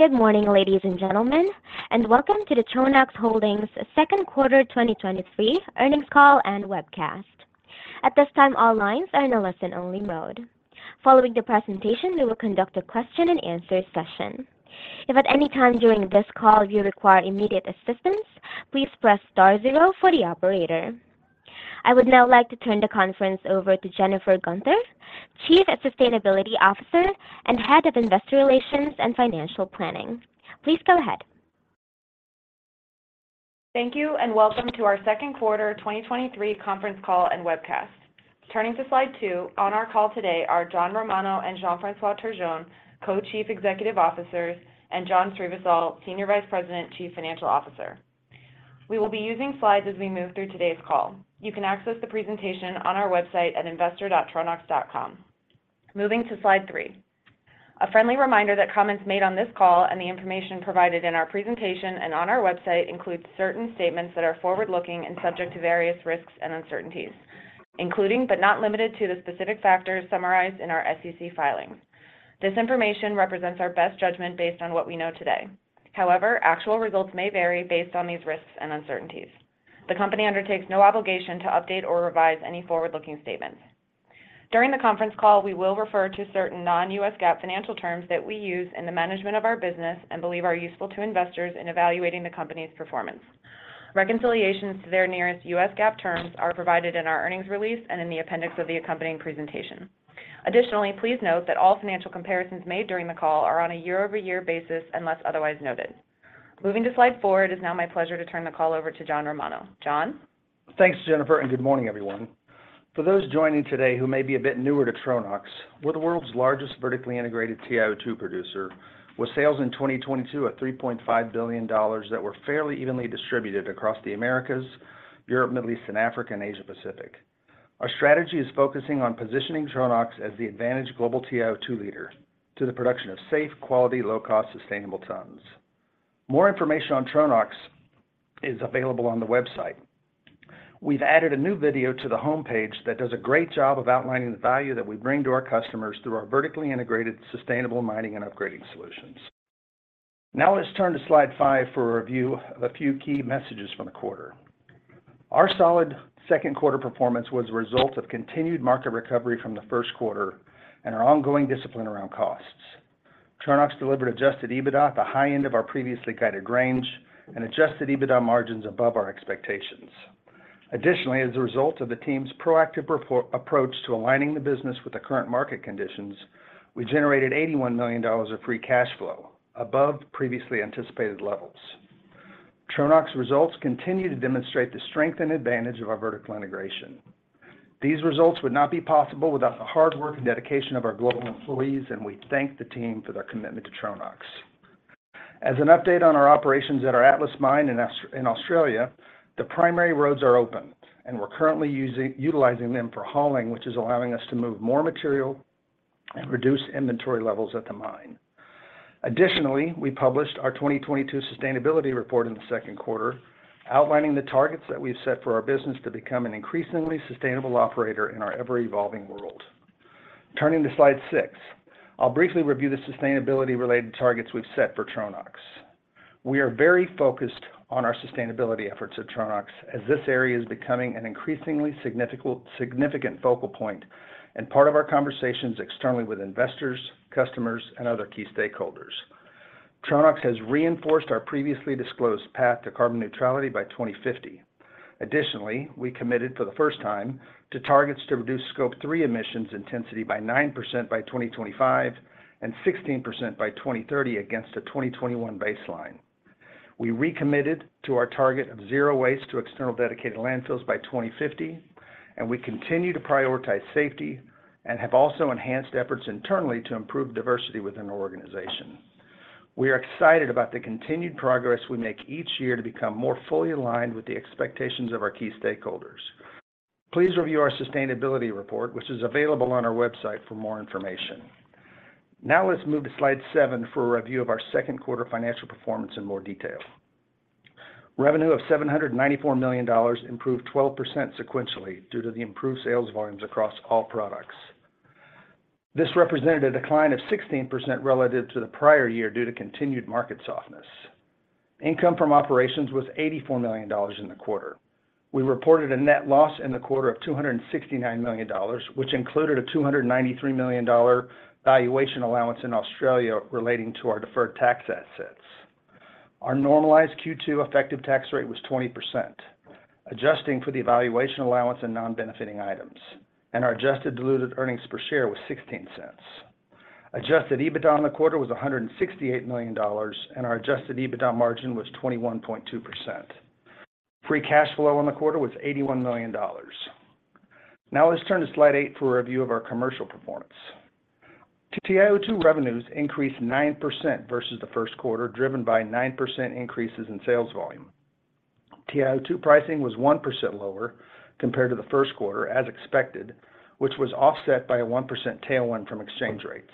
Good morning, ladies and gentlemen, and welcome to the Tronox Holdings second quarter 2023 earnings call and webcast. At this time, all lines are in a listen-only mode. Following the presentation, we will conduct a question-and-answer session. If at any time during this call you require immediate assistance, please press star zero for the operator. I would now like to turn the conference over to Jennifer Guenther, Chief Sustainability Officer and Head of Investor Relations and Financial Planning. Please go ahead. Thank you. Welcome to our second quarter 2023 conference call and webcast. Turning to slide two, on our call today are John Romano and Jean-François Turgeon, Co-Chief Executive Officers, and John Srivisal, Senior Vice President, Chief Financial Officer. We will be using slides as we move through today's call. You can access the presentation on our website at investor.tronox.com. Moving to slide three. A friendly reminder that comments made on this call and the information provided in our presentation and on our website includes certain statements that are forward-looking and subject to various risks and uncertainties, including but not limited to, the specific factors summarized in our SEC filings. This information represents our best judgment based on what we know today. Actual results may vary based on these risks and uncertainties. The company undertakes no obligation to update or revise any forward-looking statements. During the conference call, we will refer to certain non-U.S. GAAP financial terms that we use in the management of our business and believe are useful to investors in evaluating the company's performance. Reconciliations to their nearest U.S. GAAP terms are provided in our earnings release and in the appendix of the accompanying presentation. Additionally, please note that all financial comparisons made during the call are on a year-over-year basis, unless otherwise noted. Moving to slide four, it is now my pleasure to turn the call over to John Romano. John? Thanks, Jennifer. Good morning, everyone. For those joining today who may be a bit newer to Tronox, we're the world's largest vertically integrated TiO2 producer, with sales in 2022 at $3.5 billion that were fairly evenly distributed across the Americas, Europe, Middle East and Africa, and Asia Pacific. Our strategy is focusing on positioning Tronox as the advantage global TiO2 leader to the production of safe, quality, low-cost, sustainable tons. More information on Tronox is available on the website. We've added a new video to the homepage that does a great job of outlining the value that we bring to our customers through our vertically integrated, sustainable mining and upgrading solutions. Let's turn to slide 5 for a review of a few key messages from the quarter. Our solid second quarter performance was a result of continued market recovery from the first quarter and our ongoing discipline around costs. Tronox delivered Adjusted EBITDA at the high end of our previously guided range and Adjusted EBITDA margin above our expectations. Additionally, as a result of the team's proactive approach to aligning the business with the current market conditions, we generated $81 million of free cash flow, above previously anticipated levels. Tronox results continue to demonstrate the strength and advantage of our vertical integration. These results would not be possible without the hard work and dedication of our global employees, and we thank the team for their commitment to Tronox. As an update on our operations at our Atlas mine in Australia, the primary roads are open, and we're currently utilizing them for hauling, which is allowing us to move more material and reduce inventory levels at the mine. We published our 2022 sustainability report in the second quarter, outlining the targets that we've set for our business to become an increasingly sustainable operator in our ever-evolving world. Turning to slide six, I'll briefly review the sustainability-related targets we've set for Tronox. We are very focused on our sustainability efforts at Tronox, as this area is becoming an increasingly significant focal point and part of our conversations externally with investors, customers, and other key stakeholders. Tronox has reinforced our previously disclosed path to carbon neutrality by 2050. Additionally, we committed for the first time to targets to reduce Scope 3 emissions intensity by 9% by 2025, and 16% by 2030 against a 2021 baseline. We recommitted to our target of zero waste to external dedicated landfills by 2050, and we continue to prioritize safety and have also enhanced efforts internally to improve diversity within our organization. We are excited about the continued progress we make each year to become more fully aligned with the expectations of our key stakeholders. Please review our sustainability report, which is available on our website for more information. Now, let's move to slide seven for a review of our second quarter financial performance in more detail. Revenue of $794 million improved 12% sequentially due to the improved sales volumes across all products. This represented a decline of 16% relative to the prior year due to continued market softness. Income from operations was $84 million in the quarter. We reported a net loss in the quarter of $269 million, which included a $293 million valuation allowance in Australia relating to our deferred tax assets. Our normalized Q2 effective tax rate was 20%, adjusting for the valuation allowance and non-benefiting items. Our adjusted diluted earnings per share was $0.16. Adjusted EBITDA in the quarter was $168 million. Our adjusted EBITDA margin was 21.2%. Free cash flow on the quarter was $81 million. Let's turn to slide eight for a review of our commercial performance. TiO2 revenues increased 9% versus the first quarter, driven by 9% increases in sales volume. TiO2 pricing was 1% lower compared to the first quarter, as expected, which was offset by a 1% tailwind from exchange rates.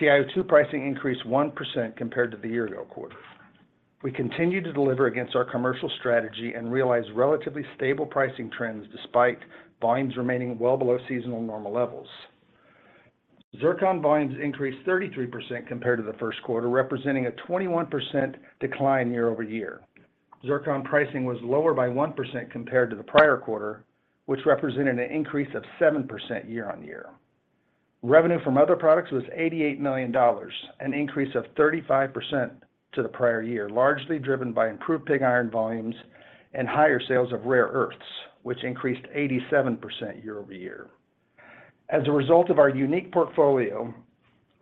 TiO2 pricing increased 1% compared to the year-ago quarter. We continue to deliver against our commercial strategy and realize relatively stable pricing trends despite volumes remaining well below seasonal normal levels. zircon volumes increased 33% compared to the first quarter, representing a 21% decline year-over-year. Zircon pricing was lower by 1% compared to the prior quarter, which represented an increase of 7% year-on-year. Revenue from other products was $88 million, an increase of 35% to the prior year, largely driven by improved pig iron volumes and higher sales of rare earths, which increased 87% year-over-year. As a result of our unique portfolio,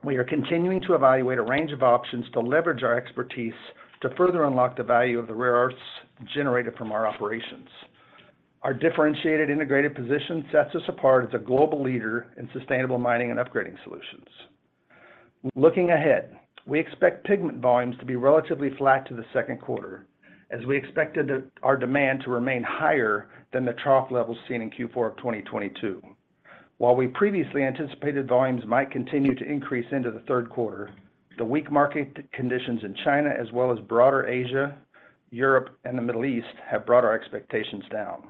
we are continuing to evaluate a range of options to leverage our expertise to further unlock the value of the rare earths generated from our operations. Our differentiated integrated position sets us apart as a global leader in sustainable mining and upgrading solutions. Looking ahead, we expect pigment volumes to be relatively flat to the second quarter, as we expected that our demand to remain higher than the trough levels seen in Q4 of 2022. While we previously anticipated volumes might continue to increase into the third quarter, the weak market conditions in China, as well as broader Asia, Europe, and the Middle East, have brought our expectations down.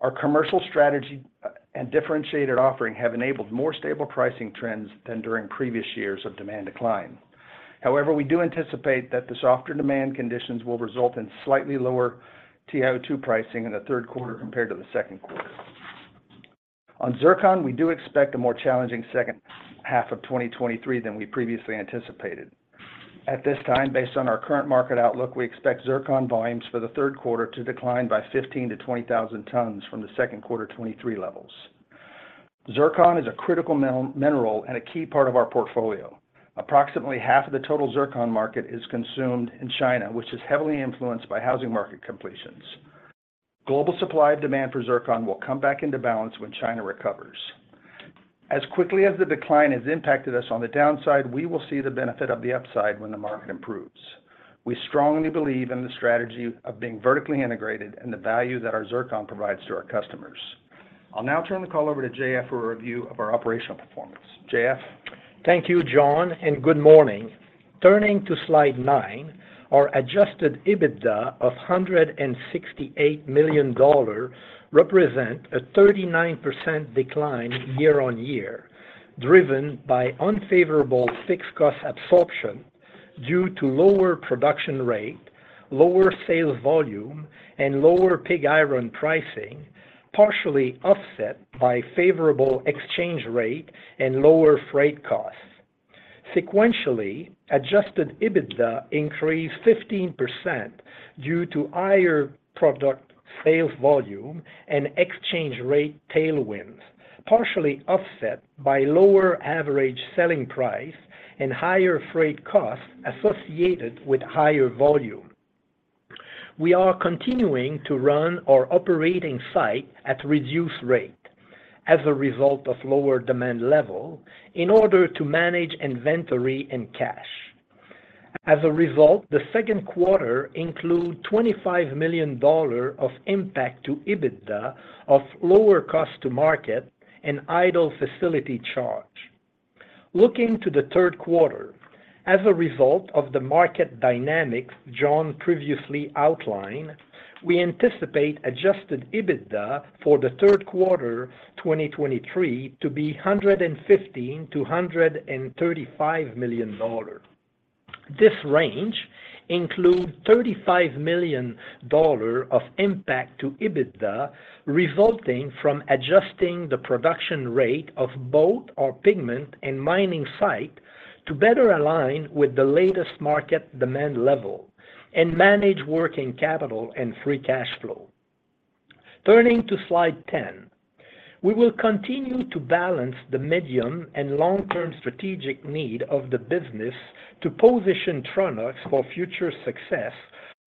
Our commercial strategy and differentiated offering have enabled more stable pricing trends than during previous years of demand decline. We do anticipate that the softer demand conditions will result in slightly lower TiO2 pricing in the third quarter compared to the second quarter. On zircon, we do expect a more challenging second half of 2023 than we previously anticipated. At this time, based on our current market outlook, we expect zircon volumes for the third quarter to decline by 15,000-20,000 tons from the second quarter 23 levels. Zircon is a critical mineral and a key part of our portfolio. Approximately half of the total zircon market is consumed in China, which is heavily influenced by housing market completions. Global supply and demand for zircon will come back into balance when China recovers. As quickly as the decline has impacted us on the downside, we will see the benefit of the upside when the market improves. We strongly believe in the strategy of being vertically integrated and the value that our zircon provides to our customers. I'll now turn the call over to J.F. for a review of our operational performance. J.F.? Thank you, John, and good morning. Turning to Slide nine, our Adjusted EBITDA of $168 million represent a 39% decline year-over-year, driven by unfavorable fixed cost absorption due to lower production rate, lower sales volume, and lower pig iron pricing, partially offset by favorable exchange rate and lower freight costs. Sequentially, Adjusted EBITDA increased 15% due to higher product sales volume and exchange rate tailwinds, partially offset by lower average selling price and higher freight costs associated with higher volume. We are continuing to run our operating site at reduced rate as a result of lower demand level in order to manage inventory and cash. As a result, the second quarter include $25 million of impact to EBITDA of lower of cost or market and idle facility charge. Looking to the third quarter, as a result of the market dynamics John previously outlined, we anticipate Adjusted EBITDA for the third quarter 2023 to be $115 million-$135 million. This range includes $35 million of impact to EBITDA, resulting from adjusting the production rate of both our pigment and mining site to better align with the latest market demand level and manage working capital and free cash flow. Turning to Slide 10, we will continue to balance the medium and long-term strategic need of the business to position Tronox for future success,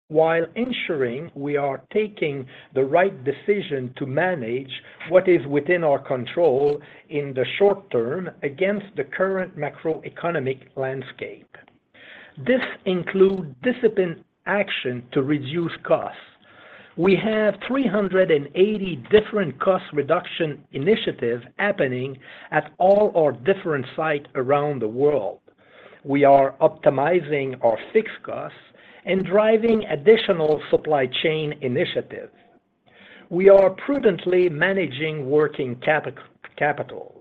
while ensuring we are taking the right decision to manage what is within our control in the short term against the current macroeconomic landscape. This include disciplined action to reduce costs. We have 380 different cost reduction initiatives happening at all our different sites around the world. We are optimizing our fixed costs and driving additional supply chain initiatives. We are prudently managing working capital.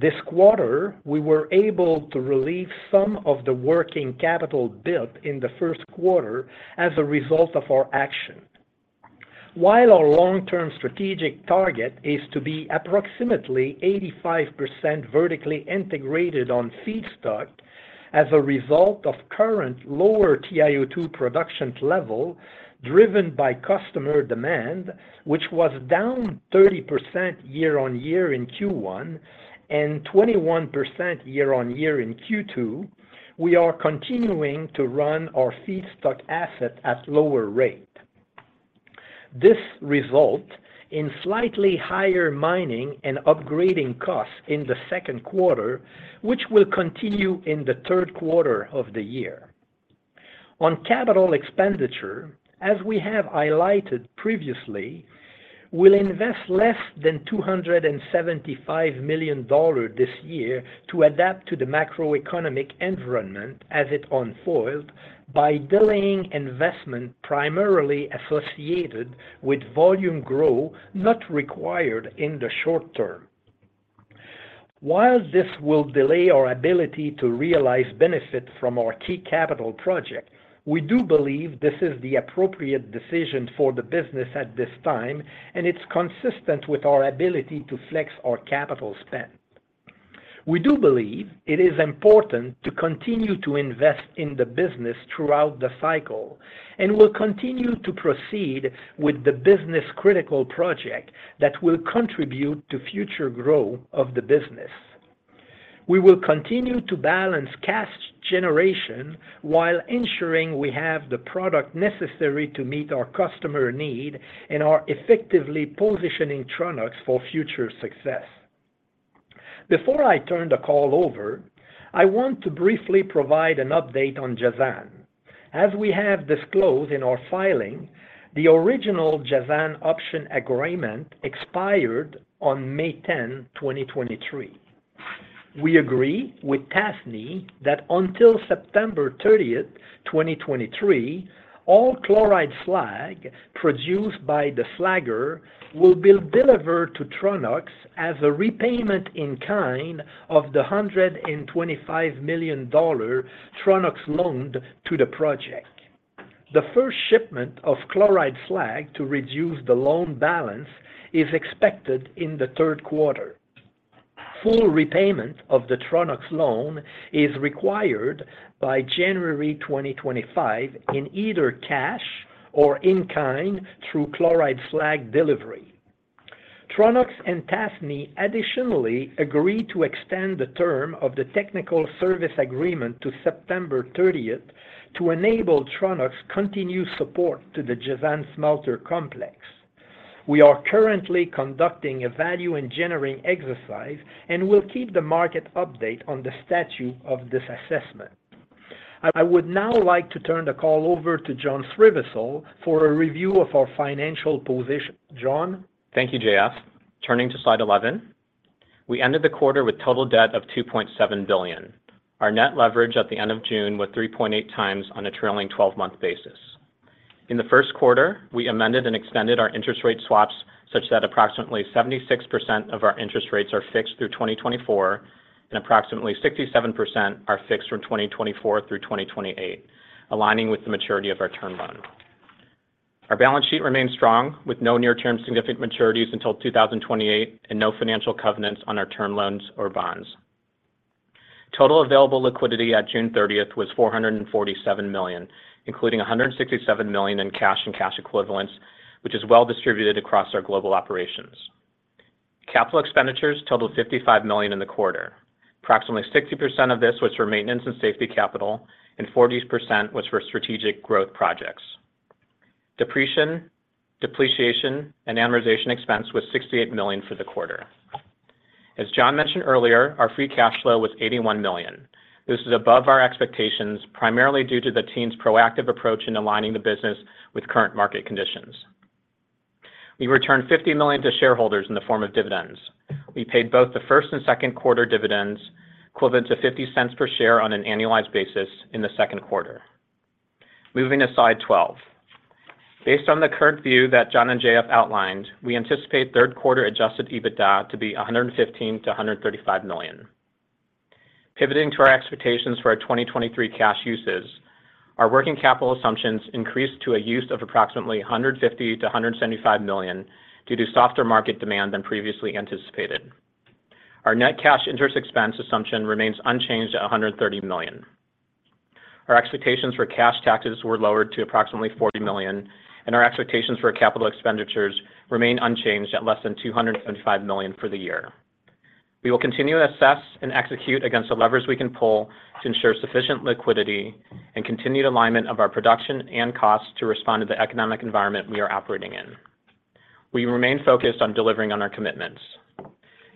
This quarter, we were able to relieve some of the working capital built in the first quarter as a result of our action. While our long-term strategic target is to be approximately 85% vertically integrated on feedstock as a result of current lower TiO2 production level, driven by customer demand, which was down 30% year-on-year in Q1 and 21% year-on-year in Q2, we are continuing to run our feedstock asset at lower rate. This result in slightly higher mining and upgrading costs in the second quarter, which will continue in the third quarter of the year. On capital expenditure, as we have highlighted previously, we'll invest less than $275 million this year to adapt to the macroeconomic environment as it unfolds by delaying investment primarily associated with volume growth not required in the short term. This will delay our ability to realize benefits from our key capital project, we do believe this is the appropriate decision for the business at this time, and it's consistent with our ability to flex our capital spend. We do believe it is important to continue to invest in the business throughout the cycle, we'll continue to proceed with the business-critical project that will contribute to future growth of the business. We will continue to balance cash generation while ensuring we have the product necessary to meet our customer need and are effectively positioning Tronox for future success. Before I turn the call over, I want to briefly provide an update on Jazan. As we have disclosed in our filing, the original Jazan option agreement expired on May 10, 2023. We agree with Tasnee that until September 30, 2023, all chloride slag produced by the slagger will be delivered to Tronox as a repayment in kind of the $125 million Tronox loaned to the project. The first shipment of chloride slag to reduce the loan balance is expected in the third quarter. Full repayment of the Tronox loan is required by January 2025, in either cash or in kind, through chloride slag delivery. Tronox and Tasnee additionally agreed to extend the term of the technical service agreement to September 30th to enable Tronox continued support to the Jazan Smelter Complex. We are currently conducting a value-engineering exercise and will keep the market update on the status of this assessment. I would now like to turn the call over to John Srivisal for a review of our financial position. John? Thank you, J.F. Turning to slide 11, we ended the quarter with total debt of $2.7 billion. Our net leverage at the end of June was 3.8x on a trailing twelve-month basis. In the first quarter, we amended and extended our interest rate swaps such that approximately 76% of our interest rates are fixed through 2024, and approximately 67% are fixed from 2024 through 2028, aligning with the maturity of our term loan. Our balance sheet remains strong, with no near-term significant maturities until 2028 and no financial covenants on our term loans or bonds. Total available liquidity at June 30th was $447 million, including $167 million in cash and cash equivalents, which is well distributed across our global operations. Capital expenditures totaled $55 million in the quarter. Approximately 60% of this was for maintenance and safety capital. Forty percent was for strategic growth projects. Depreciation and amortization expense was $68 million for the quarter. As John mentioned earlier, our free cash flow was $81 million. This is above our expectations, primarily due to the team's proactive approach in aligning the business with current market conditions. We returned $50 million to shareholders in the form of dividends. We paid both the first and second quarter dividends, equivalent to $0.50 per share on an annualized basis in the second quarter. Moving to slide 12. Based on the current view that John and J.F. outlined, we anticipate third quarter Adjusted EBITDA to be $115 million-$135 million. Pivoting to our expectations for our 2023 cash uses, our working capital assumptions increased to a use of approximately $150 million-$175 million due to softer market demand than previously anticipated. Our net cash interest expense assumption remains unchanged at $130 million. Our expectations for cash taxes were lowered to approximately $40 million, our expectations for capital expenditures remain unchanged at less than $275 million for the year. We will continue to assess and execute against the levers we can pull to ensure sufficient liquidity and continued alignment of our production and costs to respond to the economic environment we are operating in. We remain focused on delivering on our commitments.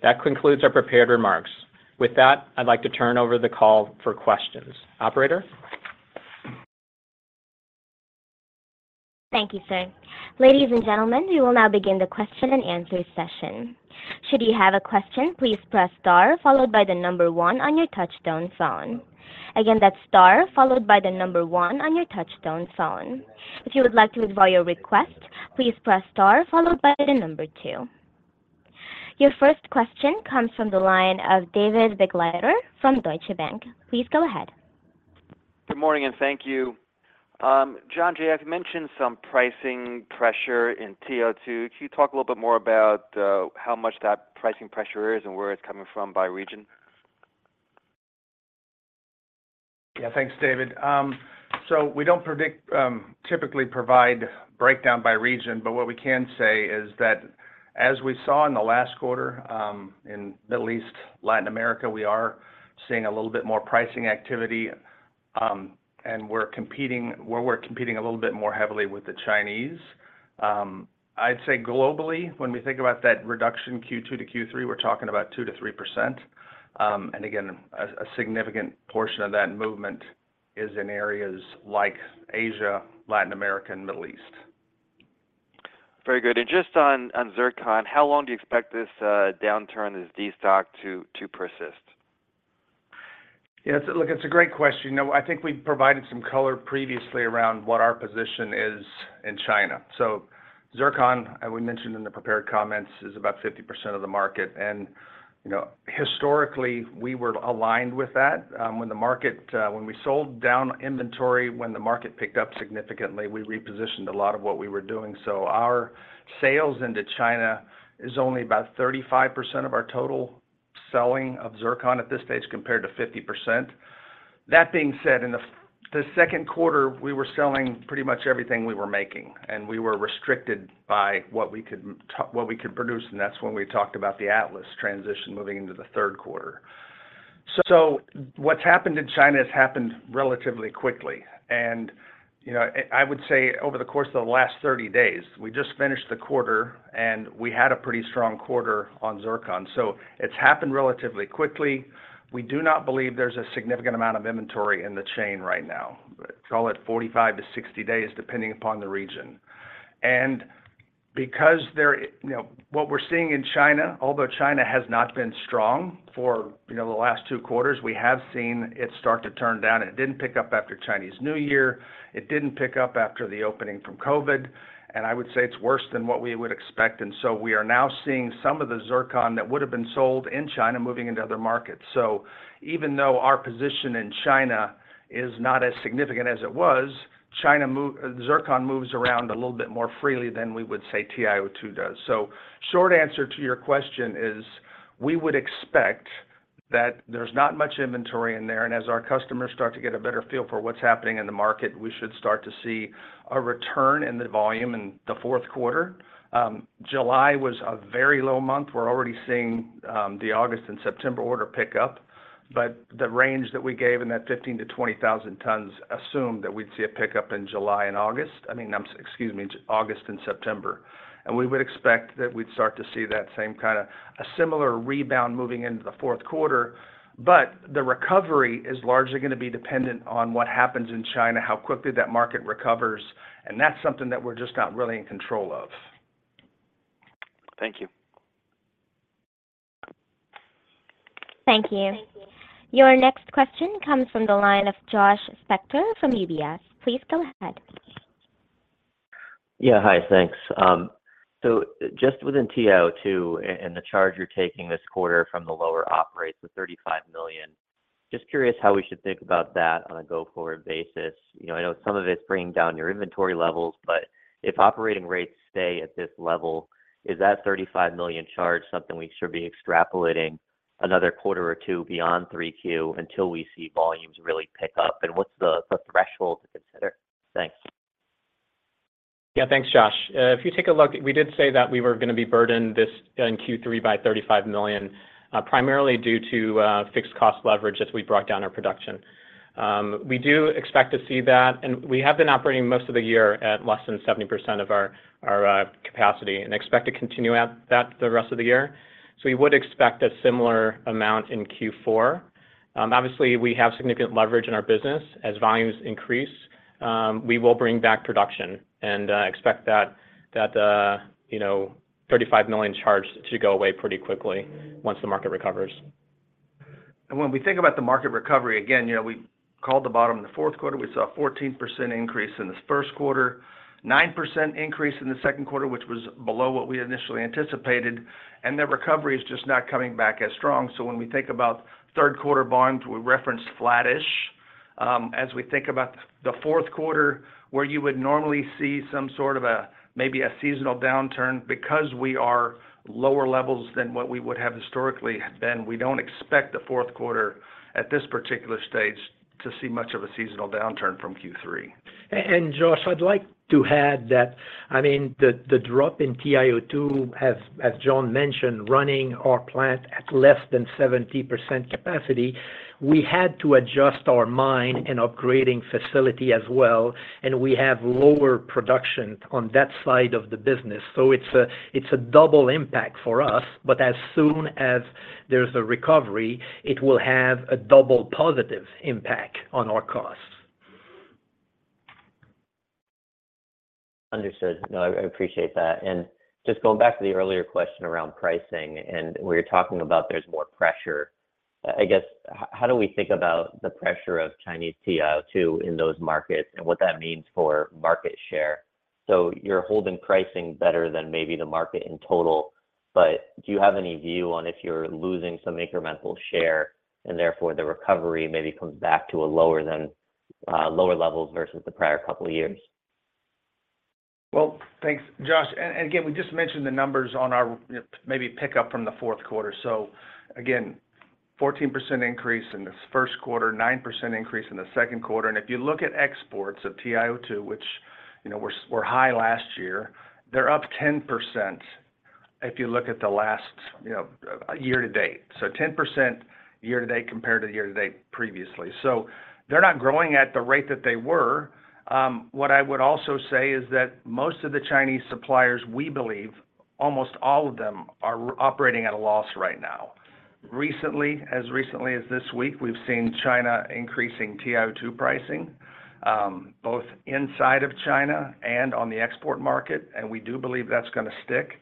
That concludes our prepared remarks. With that, I'd like to turn over the call for questions. Operator? Thank you, sir. Ladies and gentlemen, we will now begin the question and answer session. Should you have a question, please press star followed by the number one on your touchtone phone. Again, that's star followed by the number one on your touchtone phone. If you would like to withdraw your request, please press star followed by two. Your first question comes from the line of David Begleiter from Deutsche Bank. Please go ahead. Good morning, and thank you. John, JF, you mentioned some pricing pressure in TiO2. Can you talk a little bit more about how much that pricing pressure is and where it's coming from by region? Thanks, David. We don't predict, typically provide breakdown by region, but what we can say is that as we saw in the last quarter, in Middle East, Latin America, we are seeing a little bit more pricing activity, and where we're competing a little bit more heavily with the Chinese. I'd say globally, when we think about that reduction, Q2 to Q3, we're talking about 2%-3%. And again, a significant portion of that movement is in areas like Asia, Latin America, and Middle East. Very good. Just on zircon, how long do you expect this downturn, this destock to persist? Yeah, look, it's a great question. You know, I think we've provided some color previously around what our position is in China. Zircon, as we mentioned in the prepared comments, is about 50% of the market, and, you know, historically, we were aligned with that. When the market, when we sold down inventory, when the market picked up significantly, we repositioned a lot of what we were doing. Our sales into China is only about 35% of our total selling of zircon at this stage, compared to 50%. That being said, in the second quarter, we were selling pretty much everything we were making, and we were restricted by what we could produce, and that's when we talked about the Atlas transition moving into the third quarter. What's happened in China has happened relatively quickly, and, you know, I would say over the course of the last 30 days, we just finished the quarter, and we had a pretty strong quarter on zircon, so it's happened relatively quickly. We do not believe there's a significant amount of inventory in the chain right now. Call it 45-60 days, depending upon the region. What we're seeing in China, although China has not been strong for, you know, the last two quarters, we have seen it start to turn down, and it didn't pick up after Chinese New Year. It didn't pick up after the opening from COVID, and I would say it's worse than what we would expect, and so we are now seeing some of the zircon that would've been sold in China moving into other markets. Even though our position in China is not as significant as it was, zircon moves around a little bit more freely than we would say TiO2 does. Short answer to your question is, we would expect that there's not much inventory in there, and as our customers start to get a better feel for what's happening in the market, we should start to see a return in the volume in the fourth quarter. July was a very low month. We're already seeing, the August and September order pick up, but the range that we gave in that 15,000-20,000 tons assumed that we'd see a pickup in July and August. I mean, excuse me, August and September. We would expect that we'd start to see that same kind of a similar rebound moving into the fourth quarter. The recovery is largely gonna be dependent on what happens in China, how quickly that market recovers, and that's something that we're just not really in control of. Thank you. Thank you. Your next question comes from the line of Josh Spector from UBS. Please go ahead. Yeah, hi, thanks. just within TiO2 and the charge you're taking this quarter from the lower operates, the $35 million, just curious how we should think about that on a go-forward basis. You know, I know some of it's bringing down your inventory levels, but if operating rates stay at this level, is that $35 million charge something we should be extrapolating another quarter or two beyond 3Q until we see volumes really pick up? What's the threshold to consider? Thanks. Yeah, thanks, Josh. If you take a look, we did say that we were going to be burdened this, in Q3 by $35 million, primarily due to fixed cost leverage as we brought down our production. We do expect to see that, and we have been operating most of the year at less than 70% of our capacity, and expect to continue at that the rest of the year. We would expect a similar amount in Q4. Obviously, we have significant leverage in our business. As volumes increase, we will bring back production and expect that, you know, $35 million charge to go away pretty quickly once the market recovers. When we think about the market recovery, again, you know, we called the bottom in the fourth quarter. We saw a 14% increase in this first quarter, 9% increase in the second quarter, which was below what we initially anticipated, and the recovery is just not coming back as strong. When we think about third quarter volumes, we referenced flattish. As we think about the fourth quarter, where you would normally see some sort of a, maybe a seasonal downturn, because we are lower levels than what we would have historically been, we don't expect the fourth quarter, at this particular stage, to see much of a seasonal downturn from Q3. Josh, I'd like to add that, I mean, the drop in TiO2, as John mentioned, running our plant at less than 70% capacity, we had to adjust our mine and upgrading facility as well, and we have lower production on that side of the business. It's a double impact for us, but as soon as there's a recovery, it will have a double positive impact on our costs. Understood. No, I appreciate that. Just going back to the earlier question around pricing, and we were talking about there's more pressure. I guess, how do we think about the pressure of Chinese TiO2 in those markets and what that means for market share? You're holding pricing better than maybe the market in total, but do you have any view on if you're losing some incremental share, and therefore, the recovery maybe comes back to a lower than lower levels versus the prior couple of years? Well, thanks, Josh. Again, we just mentioned the numbers on our, you know, maybe pick up from the fourth quarter. Again, 14% increase in this first quarter, 9% increase in the second quarter, if you look at exports of TiO2, which, you know, were high last year, they're up 10% if you look at the last, you know, year to date. 10% year to date compared to the year to date previously. They're not growing at the rate that they were. What I would also say is that most of the Chinese suppliers, we believe almost all of them are operating at a loss right now. Recently, as recently as this week, we've seen China increasing TiO2 pricing, both inside of China and on the export market, we do believe that's gonna stick.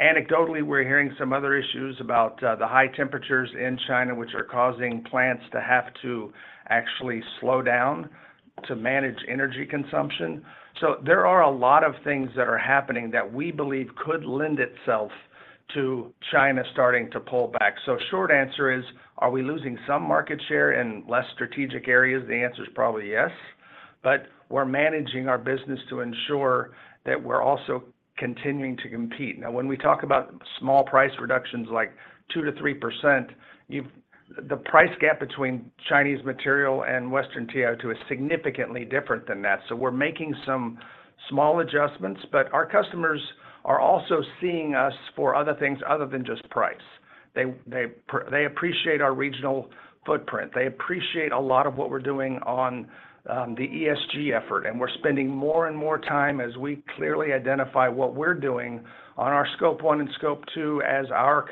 Anecdotally, we're hearing some other issues about the high temperatures in China, which are causing plants to have to actually slow down to manage energy consumption. There are a lot of things that are happening that we believe could lend itself to China starting to pull back. Short answer is, are we losing some market share in less strategic areas? The answer is probably yes, but we're managing our business to ensure that we're also continuing to compete. When we talk about small price reductions, like 2%-3%, the price gap between Chinese material and Western TiO2 is significantly different than that. We're making some small adjustments, but our customers are also seeing us for other things other than just price. They appreciate our regional footprint. They appreciate a lot of what we're doing on the ESG effort. We're spending more and more time as we clearly identify what we're doing on our Scope 1 and Scope 2, as our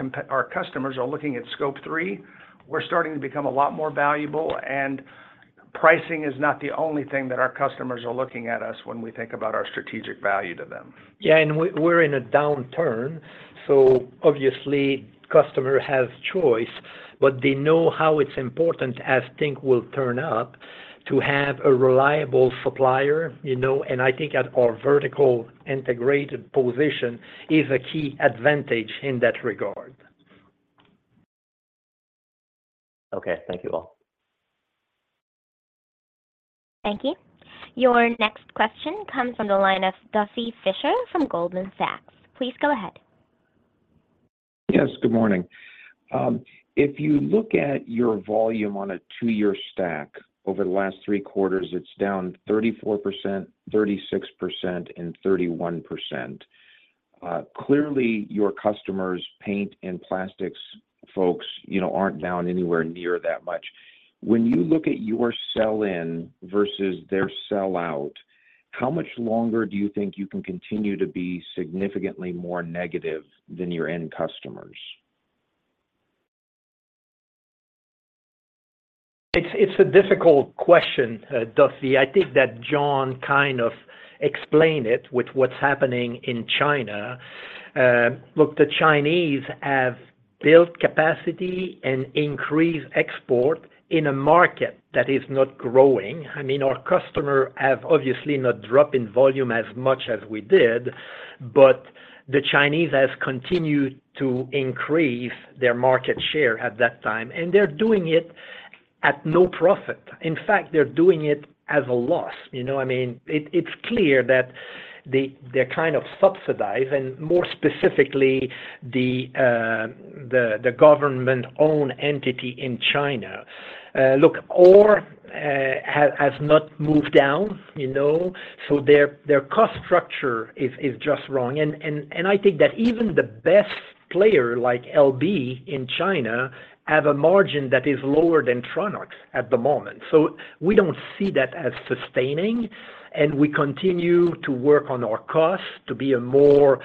customers are looking at Scope 3. We're starting to become a lot more valuable. Pricing is not the only thing that our customers are looking at us when we think about our strategic value to them. Yeah, we're in a downturn, so obviously, customer have choice, but they know how it's important as things will turn up, to have a reliable supplier, you know, and I think at our vertically integrated position is a key advantage in that regard. Okay. Thank you all. Thank you. Your next question comes from the line of Duffy Fischer from Goldman Sachs. Please go ahead. Yes, good morning. If you look at your volume on a two-year stack over the last three quarters, it's down 34%, 36%, and 31%. Clearly, your customers, paint and plastics folks, you know, aren't down anywhere near that much. When you look at your sell-in versus their sell-out, how much longer do you think you can continue to be significantly more negative than your end customers? It's a difficult question, Dusty. I think that John kind of explained it with what's happening in China. Look, the Chinese have built capacity and increased export in a market that is not growing. I mean, our customer have obviously not dropped in volume as much as we did, but the Chinese has continued to increase their market share at that time, and they're doing it at no profit. In fact, they're doing it as a loss. You know what I mean? It's clear that they're kind of subsidized, and more specifically, the government-owned entity in China. Look, ore has not moved down, you know, so their cost structure is just wrong. I think that even the best player, like LB Group in China, have a margin that is lower than Tronox at the moment. We don't see that as sustaining, and we continue to work on our costs to be a more,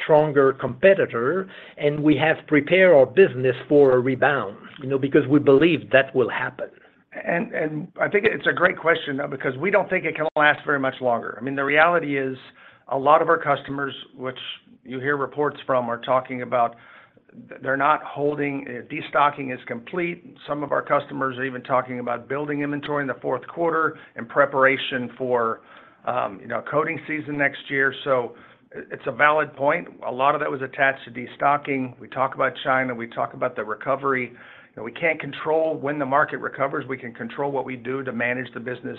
stronger competitor, and we have prepared our business for a rebound, you know, because we believe that will happen. I think it's a great question, though, because we don't think it can last very much longer. I mean, the reality is, a lot of our customers, which you hear reports from, are talking about destocking is complete. Some of our customers are even talking about building inventory in the fourth quarter in preparation for, you know, coating season next year. It's a valid point. A lot of that was attached to destocking. We talk about China, we talk about the recovery. You know, we can't control when the market recovers. We can control what we do to manage the business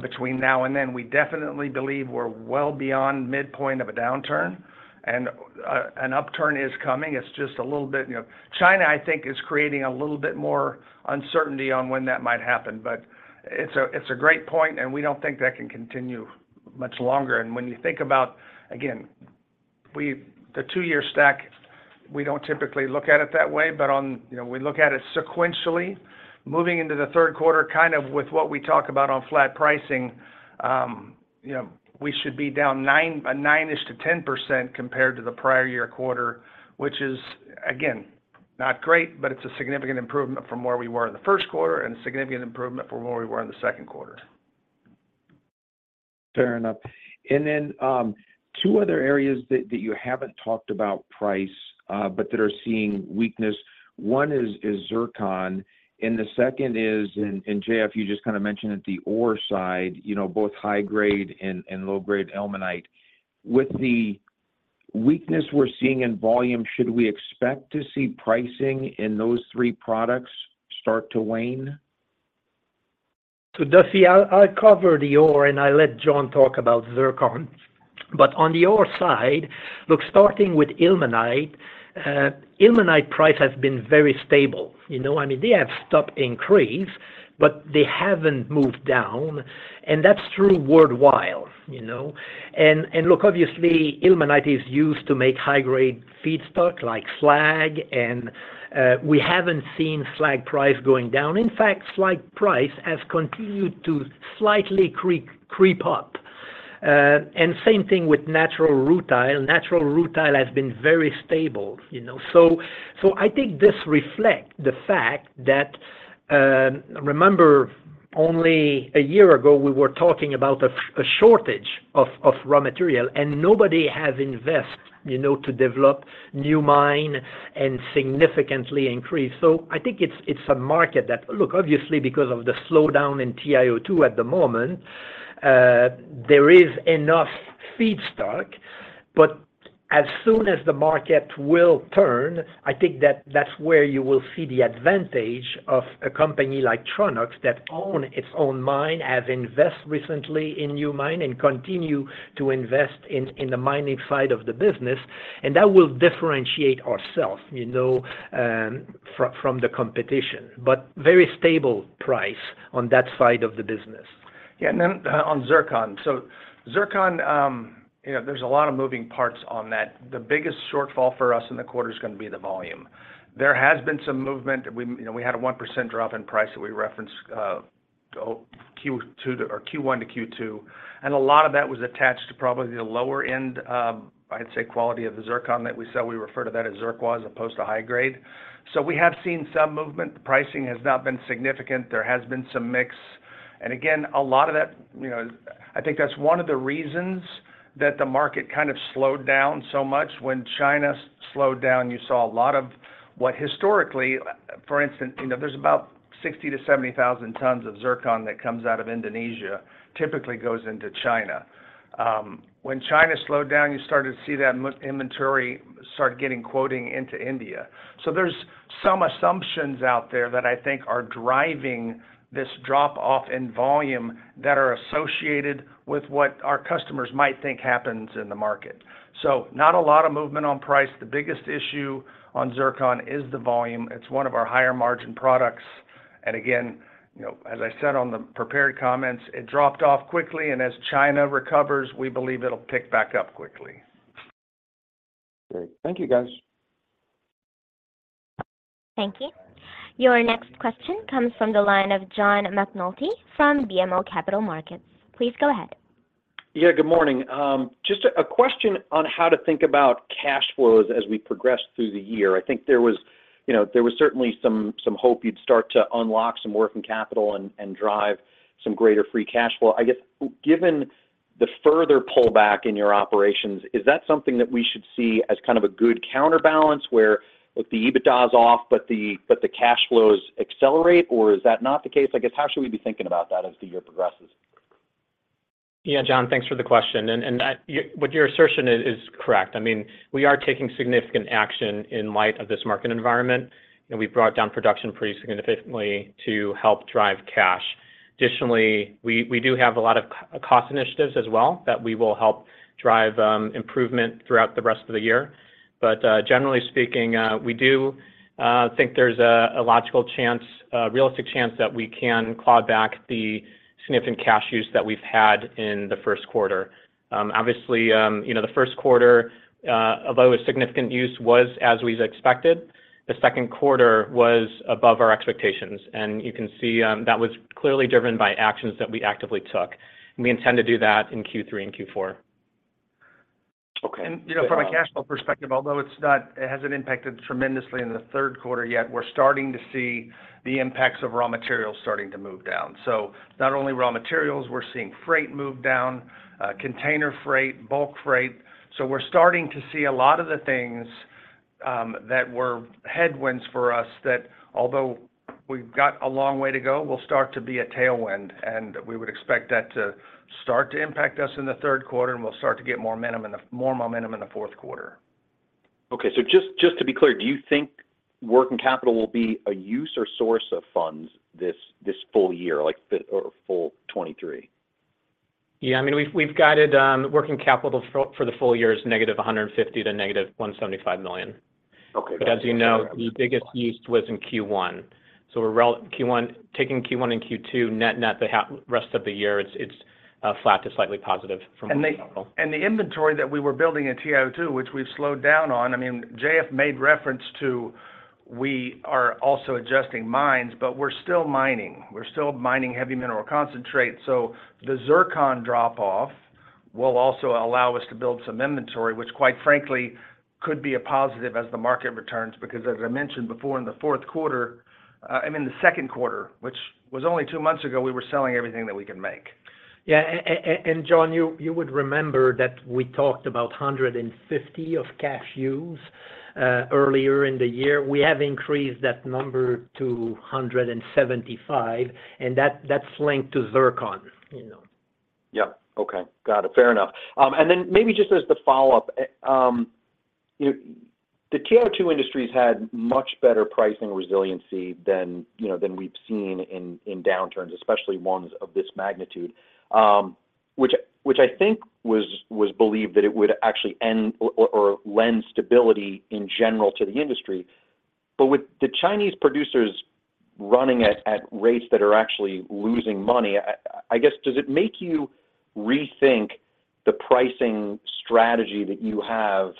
between now and then. We definitely believe we're well beyond midpoint of a downturn, and an upturn is coming. It's just a little bit. China, I think, is creating a little bit more uncertainty on when that might happen, but it's a, it's a great point, and we don't think that can continue much longer. When you think about, again, the two-year stack, we don't typically look at it that way, but on... You know, we look at it sequentially. Moving into the third quarter, kind of with what we talk about on flat pricing, you know, we should be down 9%-10% compared to the prior year quarter, which is, again, not great, but it's a significant improvement from where we were in the 1st quarter and a significant improvement from where we were in the second quarter. Fair enough. Two other areas that you haven't talked about price, but that are seeing weakness. One is zircon, and the second is, and J.F., you just kind of mentioned it, the ore side, you know, both high-grade and low-grade ilmenite. With the weakness we're seeing in volume, should we expect to see pricing in those three products start to wane? Duffy, I'll cover the ore, and I let John talk about zircon. On the ore side, look, starting with ilmenite price has been very stable, you know? I mean, they have stopped increase, but they haven't moved down, and that's true worldwide, you know? Look, obviously, ilmenite is used to make high-grade feedstock like slag, and we haven't seen slag price going down. In fact, slag price has continued to slightly creep up. Same thing with natural rutile. Natural rutile has been very stable, you know? I think this reflect the fact that, remember only a year ago, we were talking about a shortage of raw material, and nobody has invest, you know, to develop new mine and significantly increase. I think it's a market that. Look, obviously, because of the slowdown in TiO2 at the moment, there is enough feedstock, but as soon as the market will turn, I think that that's where you will see the advantage of a company like Tronox that own its own mine, have invest recently in new mine and continue to invest in the mining side of the business, and that will differentiate ourselves, you know, from the competition. Very stable price on that side of the business. Yeah, then on zircon. Zircon, you know, there's a lot of moving parts on that. The biggest shortfall for us in the quarter is gonna be the volume. There has been some movement. We, you know, we had a 1% drop in price that we referenced Q1 to Q2, and a lot of that was attached to probably the lower end, I'd say, quality of the zircon that we sell. We refer to that as zircon as opposed to high grade. We have seen some movement. The pricing has not been significant. There has been some mix, and again, a lot of that, you know, I think that's one of the reasons that the market kind of slowed down so much. When China slowed down, you saw a lot of what historically, for instance, you know, there's about 60,000-70,000 tons of zircon that comes out of Indonesia, typically goes into China. When China slowed down, you started to see that inventory start getting quoting into India. There's some assumptions out there that I think are driving this drop-off in volume that are associated with what our customers might think happens in the market. Not a lot of movement on price. The biggest issue on zircon is the volume. It's one of our higher margin products, and again, you know, as I said on the prepared comments, it dropped off quickly, and as China recovers, we believe it'll pick back up quickly. Great. Thank you, guys. Thank you. Your next question comes from the line of John McNulty from BMO Capital Markets. Please go ahead. Yeah, good morning. Just a question on how to think about cash flows as we progress through the year. I think there was, you know, there was certainly some hope you'd start to unlock some working capital and drive some greater free cash flow. I guess, given the further pullback in your operations, is that something that we should see as kind of a good counterbalance, where, like, the EBITDA is off, but the cash flows accelerate, or is that not the case? I guess, how should we be thinking about that as the year progresses? Yeah, John, thanks for the question. Yeah, what your assertion is correct. I mean, we are taking significant action in light of this market environment, and we've brought down production pretty significantly to help drive cash. Additionally, we do have a lot of cost initiatives as well that we will help drive improvement throughout the rest of the year. Generally speaking, we do think there's a logical chance, a realistic chance that we can claw back the significant cash use that we've had in the first quarter. Obviously, you know, the first quarter, although a significant use, was as we've expected, the second quarter was above our expectations, and you can see that was clearly driven by actions that we actively took, and we intend to do that in Q3 and Q4. Okay. You know, from a cash flow perspective, although it hasn't impacted tremendously in the third quarter yet, we're starting to see the impacts of raw materials starting to move down. Not only raw materials, we're seeing freight move down, container freight, bulk freight. We're starting to see a lot of the things that were headwinds for us, that although we've got a long way to go, will start to be a tailwind, and we would expect that to start to impact us in the third quarter, and we'll start to get more momentum in the fourth quarter. Okay. Just to be clear, do you think working capital will be a use or source of funds this full year, like, full 2023? I mean, we've guided working capital for the full year is -$150 million to -$175 million. Okay. As you know, the biggest use was in Q1. We're taking Q1 and Q2, net, the half, rest of the year, it's flat to slightly positive from. The inventory that we were building in TiO2, which we've slowed down on, I mean, J.F. made reference to we are also adjusting mines, but we're still mining. We're still mining heavy mineral concentrate. The zircon drop-off will also allow us to build some inventory, which, quite frankly, could be a positive as the market returns, because as I mentioned before, in the fourth quarter, I mean, the second quarter, which was only two months ago, we were selling everything that we can make. Yeah, John, you would remember that we talked about $150 of cash use earlier in the year. We have increased that number to $175, and that's linked to zircon, you know? Yeah. Okay. Got it. Fair enough. Then maybe just as the follow-up. The TiO2 industry's had much better pricing resiliency than, you know, than we've seen in downturns, especially ones of this magnitude. Which I think was believed that it would actually end or lend stability in general to the industry. With the Chinese producers running at rates that are actually losing money, I guess, does it make you rethink the pricing strategy that you have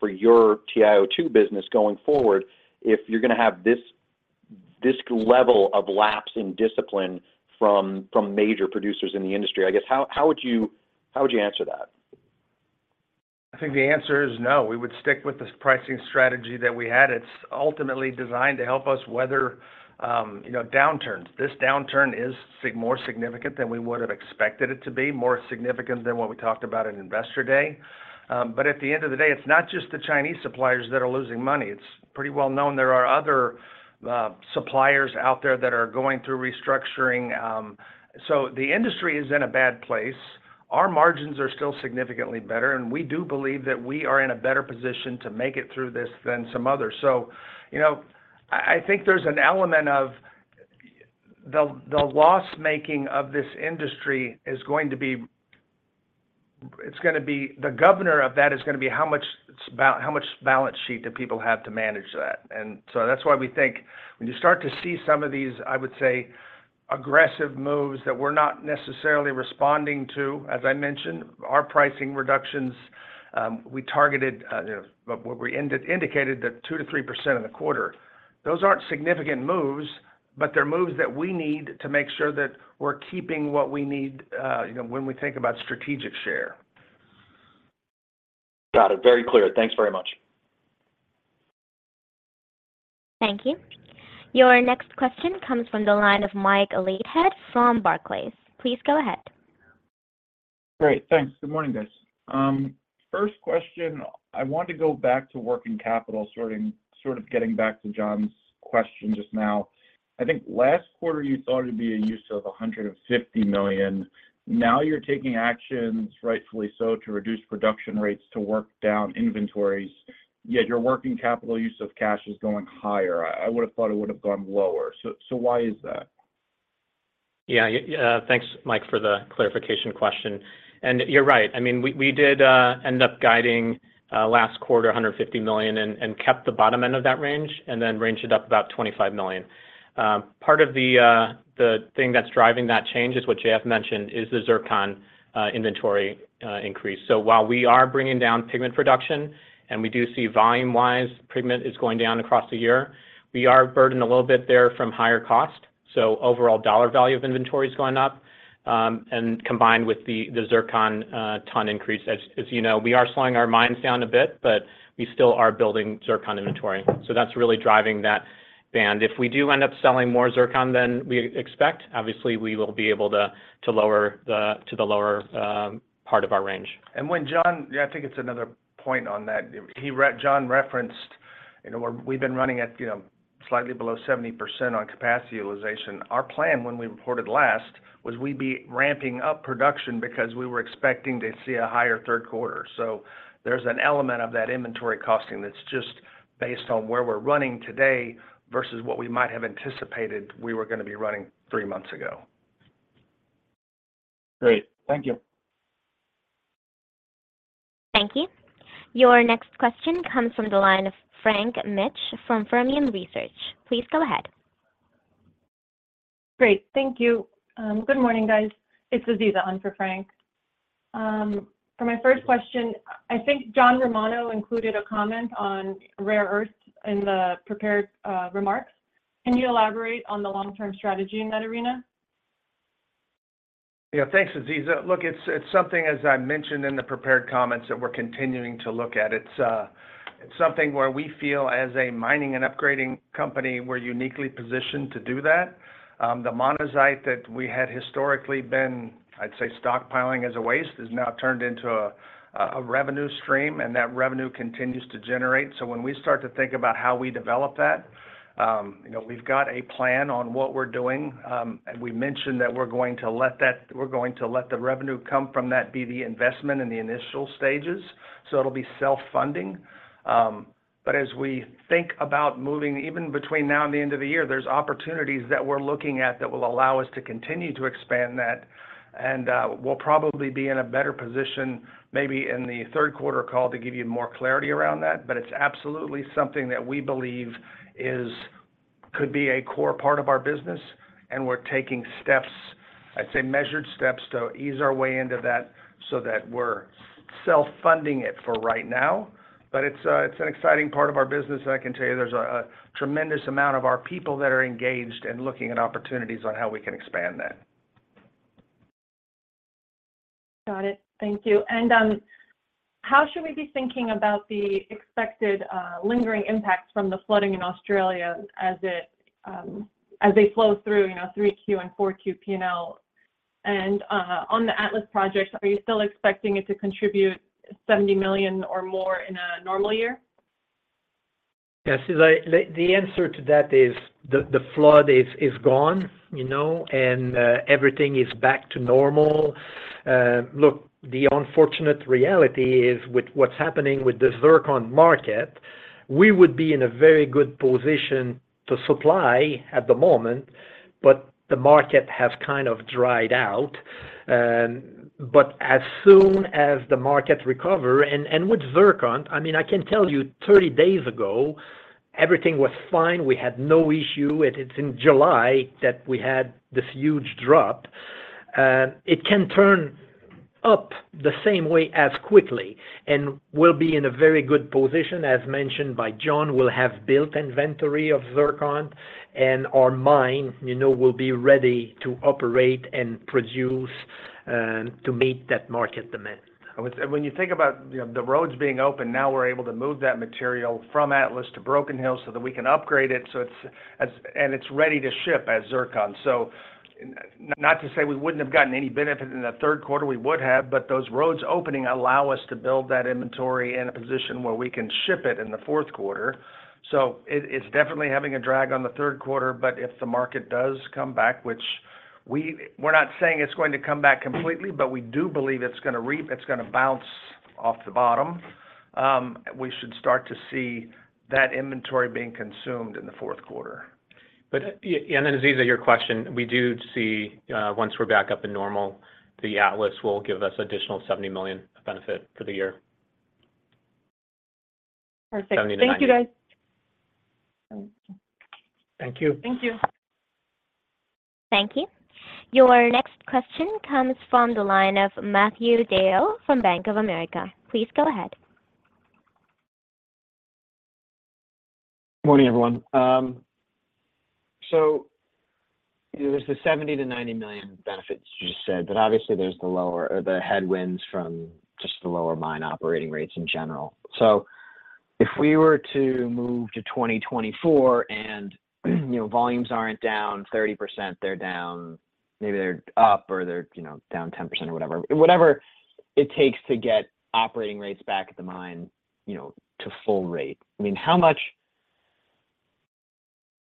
for your TiO2 business going forward, if you're gonna have this level of lapse in discipline from major producers in the industry? I guess, how would you answer that? I think the answer is no. We would stick with the pricing strategy that we had. It's ultimately designed to help us weather, you know, downturns. This downturn is more significant than we would've expected it to be, more significant than what we talked about in Investor Day. At the end of the day, it's not just the Chinese suppliers that are losing money. It's pretty well known there are other suppliers out there that are going through restructuring. The industry is in a bad place. Our margins are still significantly better, we do believe that we are in a better position to make it through this than some others. You know, I think there's an element of the loss-making of this industry the governor of that is gonna be how much balance sheet do people have to manage that. That's why we think when you start to see some of these, I would say, aggressive moves that we're not necessarily responding to. As I mentioned, our pricing reductions, we targeted, you know, but what we indicated that 2%-3% in the quarter. Those aren't significant moves, but they're moves that we need to make sure that we're keeping what we need, you know, when we think about strategic share. Got it. Very clear. Thanks very much. Thank you. Your next question comes from the line of Mike Leithead from Barclays. Please go ahead. Great. Thanks. Good morning, guys. First question, I want to go back to working capital, getting back to John's question just now. I think last quarter you thought it'd be a use of $150 million. Now, you're taking actions, rightfully so, to reduce production rates to work down inventories, yet your working capital use of cash is going higher. I would've thought it would've gone lower. Why is that? Thanks, Mike, for the clarification question. You're right. I mean, we did end up guiding last quarter $150 million and kept the bottom end of that range, and then ranged it up about $25 million. Part of the thing that's driving that change is what J.F mentioned, is the zircon inventory increase. While we are bringing down pigment production, and we do see volume-wise, pigment is going down across the year, we are burdened a little bit there from higher cost, so overall dollar value of inventory is going up. Combined with the zircon ton increase. As you know, we are slowing our mines down a bit, but we still are building zircon inventory, so that's really driving that band. If we do end up selling more zircon than we expect, obviously, we will be able to lower to the lower, part of our range. When John, I think it's another point on that. John referenced, you know, we've been running at, you know, slightly below 70% on capacity utilization. Our plan when we reported last, was we'd be ramping up production because we were expecting to see a higher third quarter. There's an element of that inventory costing that's just based on where we're running today versus what we might have anticipated we were gonna be running three months ago. Great. Thank you. Thank you. Your next question comes from the line of Frank Mitsch from Fermium Research. Please go ahead. Great. Thank you. Good morning, guys. It's Aziza on for Frank. For my first question, I think John Romano included a comment on rare earths in the prepared remarks. Can you elaborate on the long-term strategy in that arena? Yeah. Thanks, Aziza. Look, it's something, as I mentioned in the prepared comments, that we're continuing to look at. It's something where we feel as a mining and upgrading company, we're uniquely positioned to do that. The monazite that we had historically been, I'd say, stockpiling as a waste, is now turned into a revenue stream, and that revenue continues to generate. When we start to think about how we develop that, you know, we've got a plan on what we're doing, and we mentioned that we're going to let the revenue come from that be the investment in the initial stages, so it'll be self-funding. As we think about moving, even between now and the end of the year, there's opportunities that we're looking at that will allow us to continue to expand that. We'll probably be in a better position, maybe in the third quarter call, to give you more clarity around that. It's absolutely something that we believe could be a core part of our business, and we're taking steps, I'd say measured steps, to ease our way into that, so that we're self-funding it for right now. It's an exciting part of our business, and I can tell you there's a tremendous amount of our people that are engaged and looking at opportunities on how we can expand that. Got it. Thank you. How should we be thinking about the expected, lingering impacts from the flooding in Australia as it, as they flow through, you know, 3Q and 4Q P&L? On the Atlas project, are you still expecting it to contribute $70 million or more in a normal year? Yes, so like the answer to that is, the flood is gone, you know, and everything is back to normal. Look, the unfortunate reality is with what's happening with the zircon market, we would be in a very good position to supply at the moment, but the market has kind of dried out. But as soon as the market recover, and with zircon, I mean, I can tell you, 30 days ago, everything was fine. We had no issue. It's in July that we had this huge drop. It can turn up the same way as quickly, and we'll be in a very good position, as mentioned by John. We'll have built inventory of zircon, and our mine, you know, will be ready to operate and produce to meet that market demand. When you think about, you know, the roads being open, now we're able to move that material from Atlas to Broken Hill so that we can upgrade it, so it's ready to ship as zircon. Not to say we wouldn't have gotten any benefit in the third quarter, we would have, but those roads opening allow us to build that inventory in a position where we can ship it in the fourth quarter. It, it's definitely having a drag on the third quarter, but if the market does come back, which we're not saying it's going to come back completely, but we do believe it's gonna bounce off the bottom. We should start to see that inventory being consumed in the fourth quarter. Yeah, Aziza, your question, we do see, once we're back up in normal, the Atlas will give us additional $70 million of benefit for the year. Perfect. 70 to 90. Thank you, guys. Thank you. Thank you. Thank you. Your next question comes from the line of Matthew DeYoe from Bank of America. Please go ahead. Morning, everyone. There's the $70 million-$90 million benefits you just said, obviously, there's the lower or the headwinds from just the lower mine operating rates in general. If we were to move to 2024, and, you know, volumes aren't down 30%, they're down. Maybe they're up or they're, you know, down 10% or whatever. Whatever it takes to get operating rates back at the mine, you know, to full rate, I mean,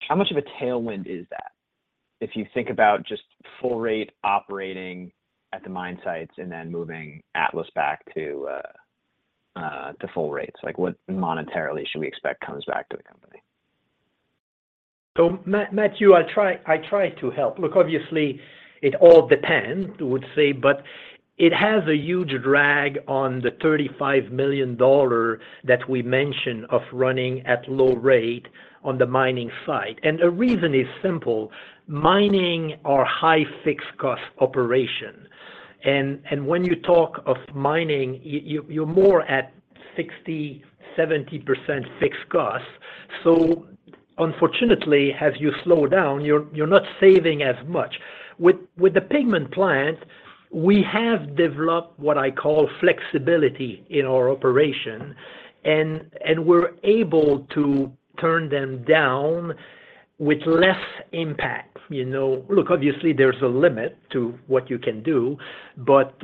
how much of a tailwind is that? If you think about just full rate operating at the mine sites and then moving Atlas back to full rates, like, what monetarily should we expect comes back to the company? Matthew, I try to help. Obviously, it all depends, I would say, it has a huge drag on the $35 million that we mentioned of running at low rate on the mining site. The reason is simple: mining are high fixed cost operation, and when you talk of mining, you're more at 60, 70% fixed cost. Unfortunately, as you slow down, you're not saving as much. With the pigment plant, we have developed what I call flexibility in our operation, and we're able to turn them down with less impact, you know. Obviously, there's a limit to what you can do, but.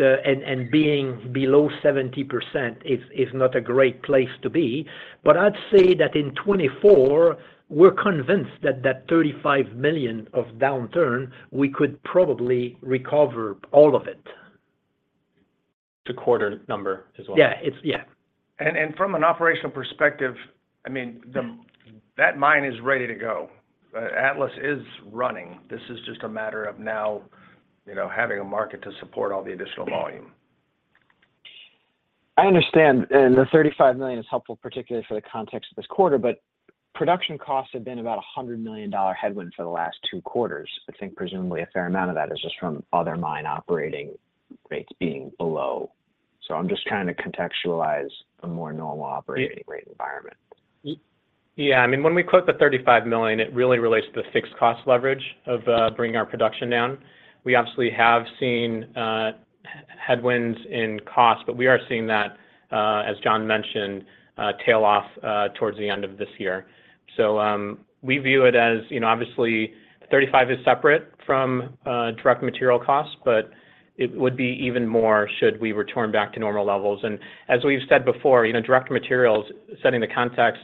Being below 70% is not a great place to be. I'd say that in 2024, we're convinced that $35 million of downturn, we could probably recover all of it. The quarter number as well? Yeah, it's. Yeah. From an operational perspective, I mean, that mine is ready to go. Atlas is running. This is just a matter of now, you know, having a market to support all the additional volume. I understand. The $35 million is helpful, particularly for the context of this quarter. Production costs have been about a $100 million headwind for the last two quarters. I think presumably a fair amount of that is just from other mine operating rates being below. I'm just trying to contextualize a more normal operating rate environment. I mean, when we quote the $35 million, it really relates to the fixed cost leverage of bringing our production down. We obviously have seen headwinds in cost, but we are seeing that, as John mentioned, tail off towards the end of this year. We view it as, you know, obviously, $35 million is separate from direct material costs, but it would be even more should we return back to normal levels. As we've said before, you know, direct materials, setting the context,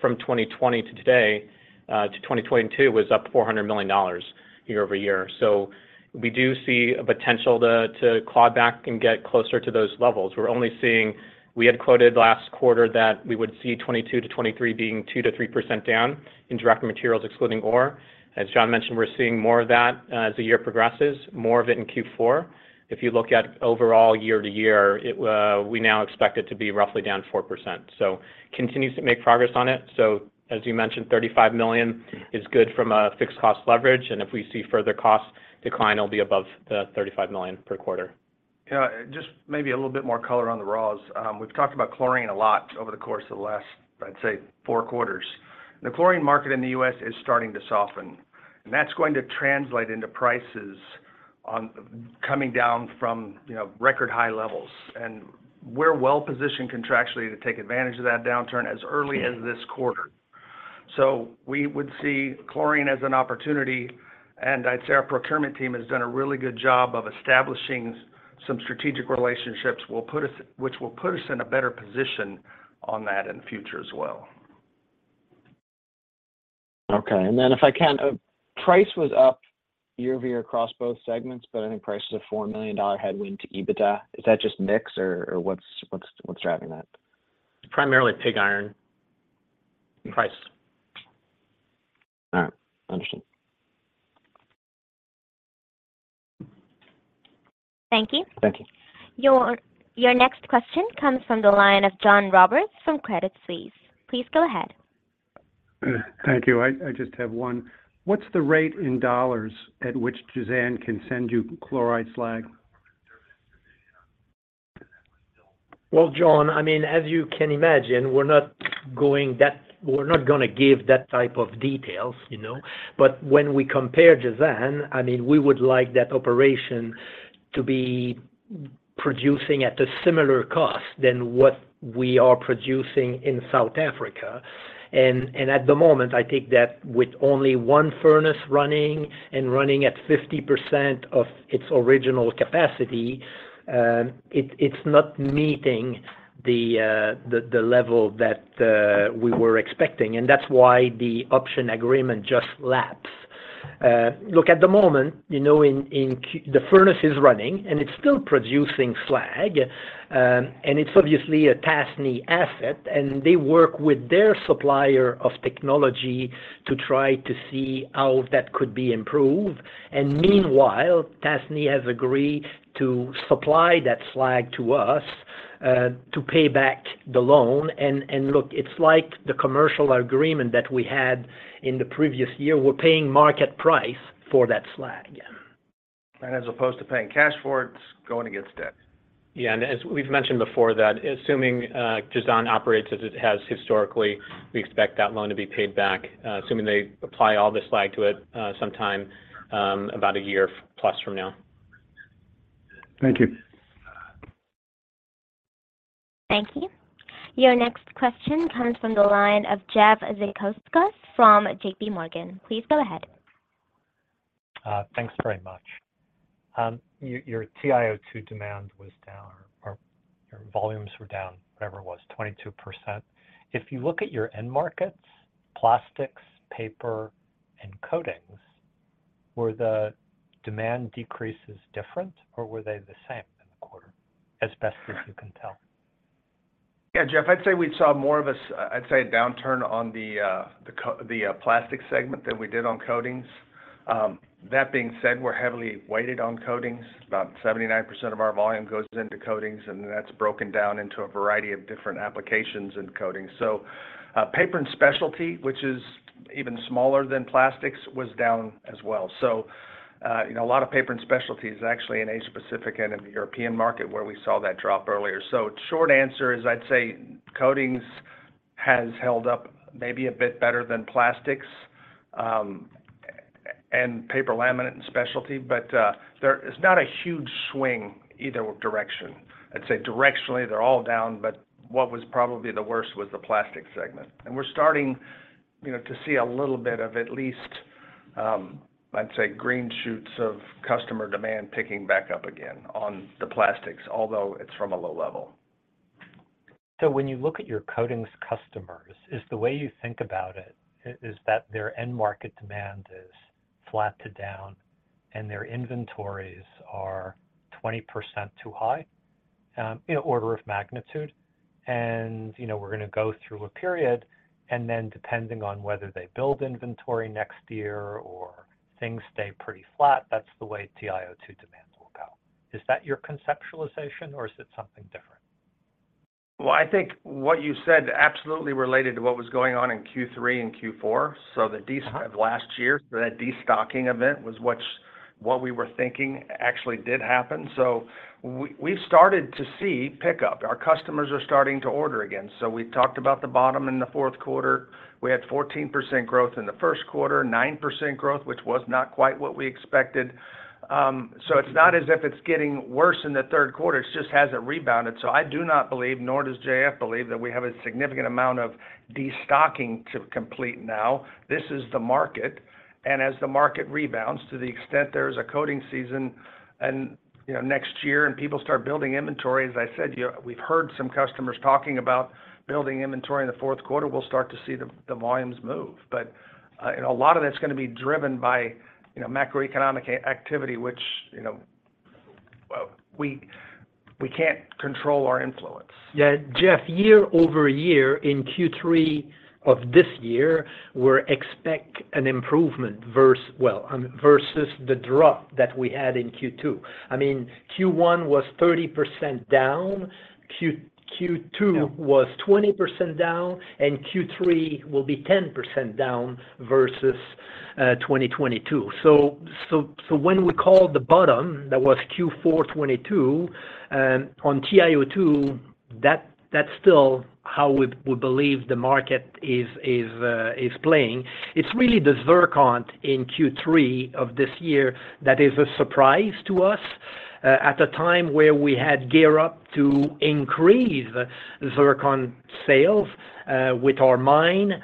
from 2020 to today, to 2022, was up $400 million year-over-year. We do see a potential to claw back and get closer to those levels. We had quoted last quarter that we would see 2022-2023 being 2%-3% down in direct materials, excluding ore. As John mentioned, we're seeing more of that as the year progresses, more of it in Q4. If you look at overall year-over-year, it, we now expect it to be roughly down 4%. Continues to make progress on it. As you mentioned, $35 million is good from a fixed cost leverage, and if we see further cost decline, it'll be above the $35 million per quarter. Yeah, just maybe a little bit more color on the raws. We've talked about chlorine a lot over the course of the last, I'd say, four quarters. The chlorine market in the U.S. is starting to soften, and that's going to translate into prices coming down from, you know, record high levels. We're well positioned contractually to take advantage of that downturn as early as this quarter. We would see chlorine as an opportunity, and I'd say our procurement team has done a really good job of establishing some strategic relationships which will put us in a better position on that in the future as well. Okay. then if I can, price was up year-over-year across both segments, but I think prices of $4 million headwind to EBITDA. Is that just mix, or what's driving that? Primarily pig iron price. All right, understood. Thank you. Thank you. Your next question comes from the line of John Roberts from Credit Suisse. Please go ahead. Thank you. I just have one. What's the rate in dollars at which Jazan can send you chloride slag? Well, John, I mean, as you can imagine, we're not gonna give that type of details, you know. When we compare Jazan, I mean, we would like that operation to be producing at a similar cost than what we are producing in South Africa. At the moment, I think that with only one furnace running and running at 50% of its original capacity, it's not meeting the level that we were expecting, and that's why the option agreement just lapsed. Look, at the moment, you know, the furnace is running, and it's still producing slag, and it's obviously a Tasnee asset, and they work with their supplier of technology to try to see how that could be improved. Meanwhile, Tasnee has agreed to supply that slag to us to pay back the loan. Look, it's like the commercial agreement that we had in the previous year. We're paying market price for that slag. As opposed to paying cash for it's going against debt. Yeah, as we've mentioned before that, assuming Jazan operates as it has historically, we expect that loan to be paid back sometime about a year plus from now. Thank you. Thank you. Your next question comes from the line of Jeffrey Zekauskas from JPMorgan. Please go ahead. Thanks very much. your TiO2 demand was down, or your volumes were down, whatever it was, 22%. If you look at your end markets, plastics, paper, and coatings, were the demand decreases different or were they the same in the quarter, as best as you can tell? Jeff, I'd say we saw more of a downturn on the plastic segment than we did on coatings. That being said, we're heavily weighted on coatings. About 79% of our volume goes into coatings, and that's broken down into a variety of different applications and coatings. Paper and specialty, which is even smaller than plastics, was down as well. Short answer is, I'd say coatings has held up maybe a bit better than plastics and paper laminate and specialty, but it's not a huge swing either direction. I'd say directionally, they're all down, but what was probably the worst was the plastic segment. We're starting, you know, to see a little bit of at least, I'd say, green shoots of customer demand picking back up again on the plastics, although it's from a low level. When you look at your coatings customers, is the way you think about it, is that their end market demand is flat to down, and their inventories are 20% too high, in order of magnitude? You know, we're gonna go through a period, and then, depending on whether they build inventory next year or things stay pretty flat, that's the way TiO2 demand will go. Is that your conceptualization, or is it something different? Well, I think what you said absolutely related to what was going on in Q3 and Q4. The destocking event was what we were thinking actually did happen. We've started to see pickup. Our customers are starting to order again. We talked about the bottom in the fourth quarter. We had 14% growth in the first quarter, 9% growth, which was not quite what we expected. It's not as if it's getting worse in the third quarter, it just hasn't rebounded. I do not believe, nor does J.F. believe, that we have a significant amount of destocking to complete now. This is the market, and as the market rebounds, to the extent there is a coating season and, you know, next year and people start building inventory, as I said, we've heard some customers talking about building inventory in the fourth quarter, we'll start to see the volumes move. A lot of that's gonna be driven by, you know, macroeconomic activity, which, you know, well, we can't control or influence. Yeah, Jeff, year-over-year, in Q3 of this year, we're expect an improvement well, versus the drop that we had in Q2. I mean, Q1 was 30% down, Q2. Yeah Was 20% down, Q3 will be 10% down versus 2022. When we called the bottom, that was Q4 2022 on TiO2, that's still how we believe the market is playing. It's really the zircon in Q3 of this year that is a surprise to us. At a time where we had gear up to increase the zircon sales with our mine,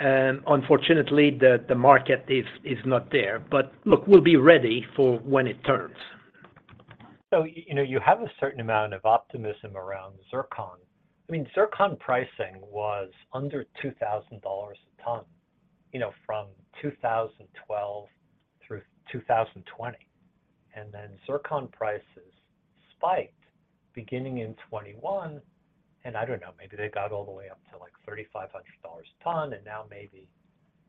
unfortunately, the market is not there. Look, we'll be ready for when it turns. You know, you have a certain amount of optimism around zircon. I mean, zircon pricing was under $2,000 a ton, you know, from 2012 through 2020, and then zircon prices spiked beginning in 2021, and I don't know, maybe they got all the way up to, like, $3,500 a ton, and now maybe,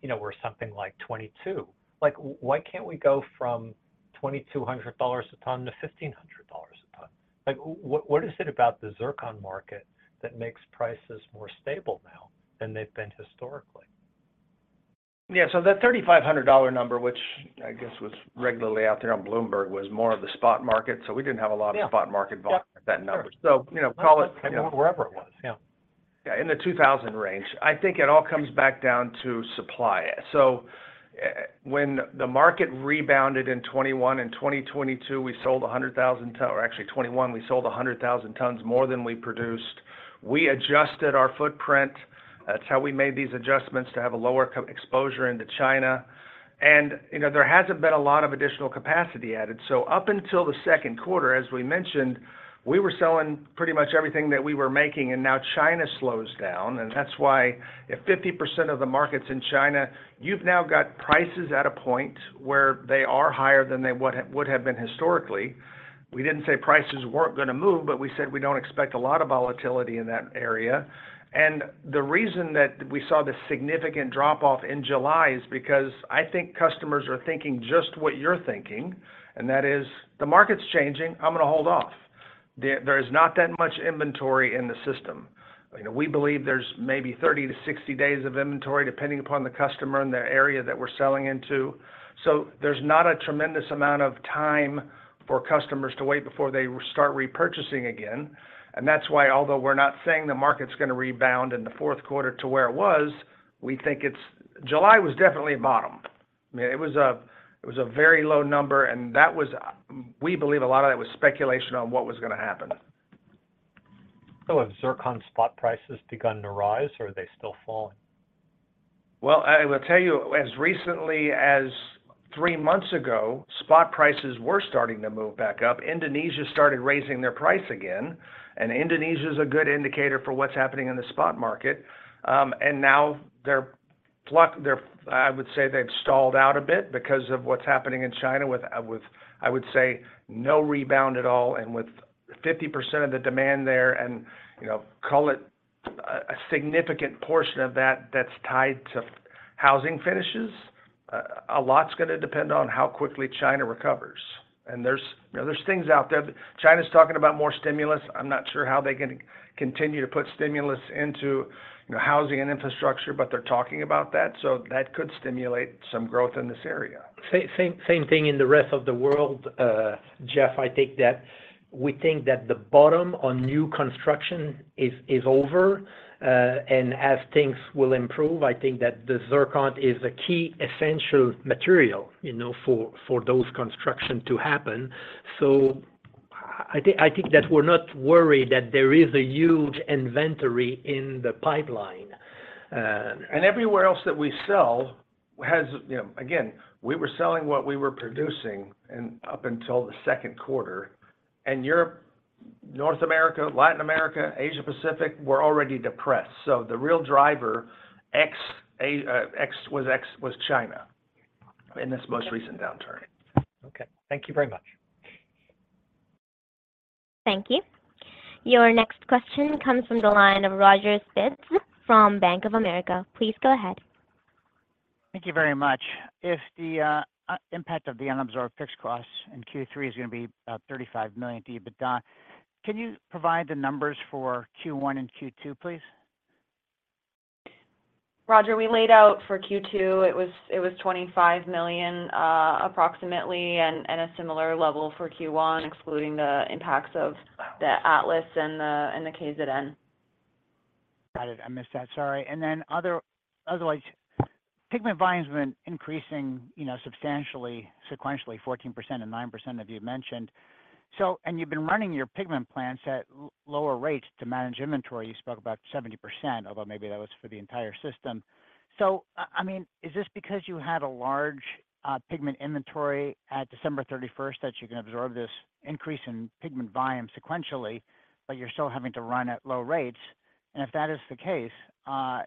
you know, we're something like $2,200. Like, why can't we go from $2,200 a ton to $1,500 a ton? Like, what is it about the zircon market that makes prices more stable now than they've been historically? Yeah, the $3,500 number, which I guess was regularly out there on Bloomberg, was more of the spot market, so we didn't have a lot of. Yeah... spot market volume at that number. Sure. you know, call it. Wherever it was, yeah. Yeah, in the 2,000 range. I think it all comes back down to supply. When the market rebounded in 2021 and 2022, actually 2021, we sold 100,000 tons more than we produced. We adjusted our footprint. That's how we made these adjustments to have a lower exposure into China. You know, there hasn't been a lot of additional capacity added. Up until the second quarter, as we mentioned, we were selling pretty much everything that we were making, and now China slows down, and that's why if 50% of the market's in China, you've now got prices at a point where they are higher than they would have been historically. We didn't say prices weren't going to move, we said we don't expect a lot of volatility in that area. The reason that we saw this significant drop-off in July is because I think customers are thinking just what you're thinking, and that is, "The market's changing. I'm gonna hold off." There is not that much inventory in the system. You know, we believe there's maybe 30 to 60 days of inventory, depending upon the customer and the area that we're selling into. There's not a tremendous amount of time for customers to wait before they start repurchasing again. That's why, although we're not saying the market's gonna rebound in the fourth quarter to where it was, we think July was definitely a bottom. I mean, it was a very low number, and that was, we believe a lot of that was speculation on what was gonna happen. Have zircon spot prices begun to rise, or are they still falling? Well, I will tell you, as recently as three months ago, spot prices were starting to move back up. Indonesia started raising their price again. Indonesia's a good indicator for what's happening in the spot market. Now they're I would say they've stalled out a bit because of what's happening in China with, I would say, no rebound at all, and with 50% of the demand there and, you know, call it a significant portion of that's tied to housing finishes. A lot's gonna depend on how quickly China recovers. There's, you know, there's things out there. China's talking about more stimulus. I'm not sure how they can continue to put stimulus into, you know, housing and infrastructure, but they're talking about that, so that could stimulate some growth in this area. Same, same thing in the rest of the world, Jeff. I think that we think that the bottom on new construction is over. As things will improve, I think that the zircon is a key essential material, you know, for those construction to happen. I think that we're not worried that there is a huge inventory in the pipeline. Everywhere else that we sell has. You know, again, we were selling what we were producing and up until the second quarter, and Europe, North America, Latin America, Asia Pacific, were already depressed. The real driver, ex China in this most recent downturn. Okay. Thank you very much. Thank you. Your next question comes from the line of Roger Spitz from Bank of America. Please go ahead. Thank you very much. If the impact of the unabsorbed fixed costs in Q3 is gonna be about $35 million to you, but Don, can you provide the numbers for Q1 and Q2, please? Roger, we laid out for Q2, it was $25 million, approximately, and a similar level for Q1, excluding the impacts of the Atlas and the KZN. Got it. I missed that, sorry. Otherwise, pigment volume has been increasing, you know, substantially, sequentially, 14% and 9%, as you mentioned. You've been running your pigment plants at lower rates to manage inventory. You spoke about 70%, although maybe that was for the entire system. I mean, is this because you had a large pigment inventory at December 31st that you can absorb this increase in pigment volume sequentially, but you're still having to run at low rates? If that is the case,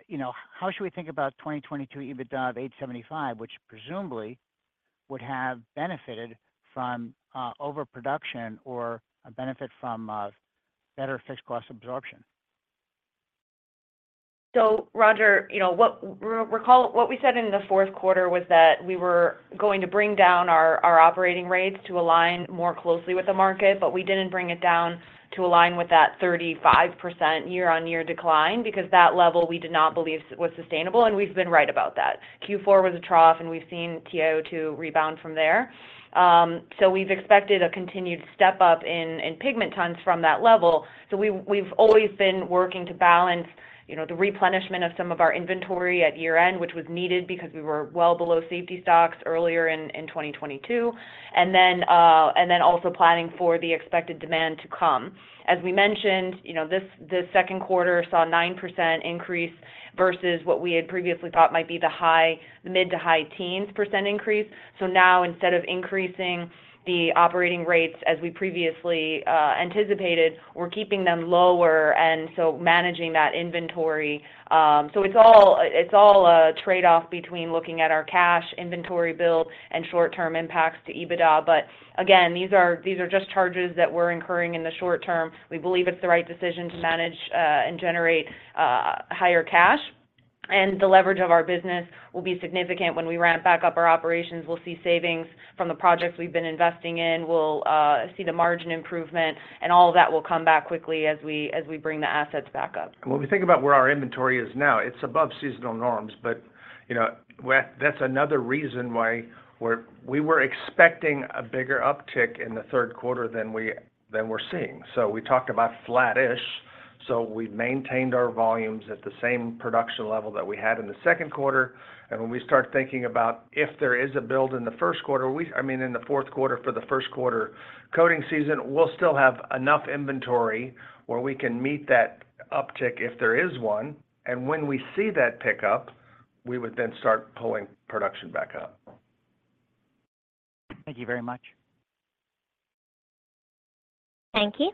you know, how should we think about 2022 EBITDA of $875, which presumably would have benefited from overproduction or a benefit from better fixed cost absorption? Roger, you know, recall what we said in the fourth quarter was that we were going to bring down our operating rates to align more closely with the market, but we didn't bring it down to align with that 35% year-on-year decline, because that level we did not believe was sustainable, and we've been right about that. Q4 was a trough, and we've seen TiO2 rebound from there. We've expected a continued step up in pigment tons from that level. We, we've always been working to balance, you know, the replenishment of some of our inventory at year-end, which was needed because we were well below safety stocks earlier in 2022, and then also planning for the expected demand to come. As we mentioned, you know, the second quarter saw a 9% increase versus what we had previously thought might be the mid to high teen percent increase. Now, instead of increasing the operating rates as we previously anticipated, we're keeping them lower, managing that inventory. It's all a trade-off between looking at our cash inventory build and short-term impacts to EBITDA. Again, these are just charges that we're incurring in the short term. We believe it's the right decision to manage and generate higher cash, the leverage of our business will be significant when we ramp back up our operations. We'll see savings from the projects we've been investing in. We'll see the margin improvement, all of that will come back quickly as we bring the assets back up. When we think about where our inventory is now, it's above seasonal norms, but, you know, that's another reason why we were expecting a bigger uptick in the third quarter than we're seeing. We talked about flattish, so we maintained our volumes at the same production level that we had in the second quarter. When we start thinking about if there is a build in the first quarter, I mean, in the fourth quarter for the first quarter coating season, we'll still have enough inventory where we can meet that uptick if there is one. When we see that pickup, we would then start pulling production back up. Thank you very much. Thank you.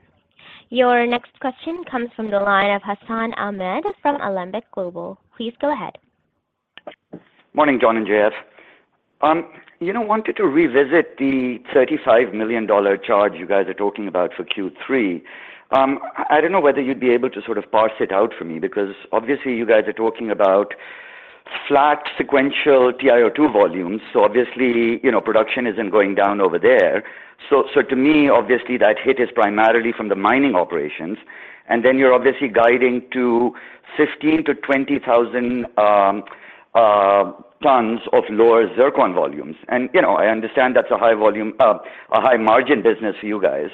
Your next question comes from the line of Hassan Ahmed from Alembic Global. Please go ahead. Morning, John and J.F. You know, wanted to revisit the $35 million charge you guys are talking about for Q3. I don't know whether you'd be able to sort of parse it out for me, because obviously, you guys are talking about flat sequential TiO2 volumes, so obviously, you know, production isn't going down over there. To me, obviously, that hit is primarily from the mining operations, and then you're obviously guiding to 15,000-20,000 tons of lower zircon volumes. You know, I understand that's a high volume, a high-margin business for you guys.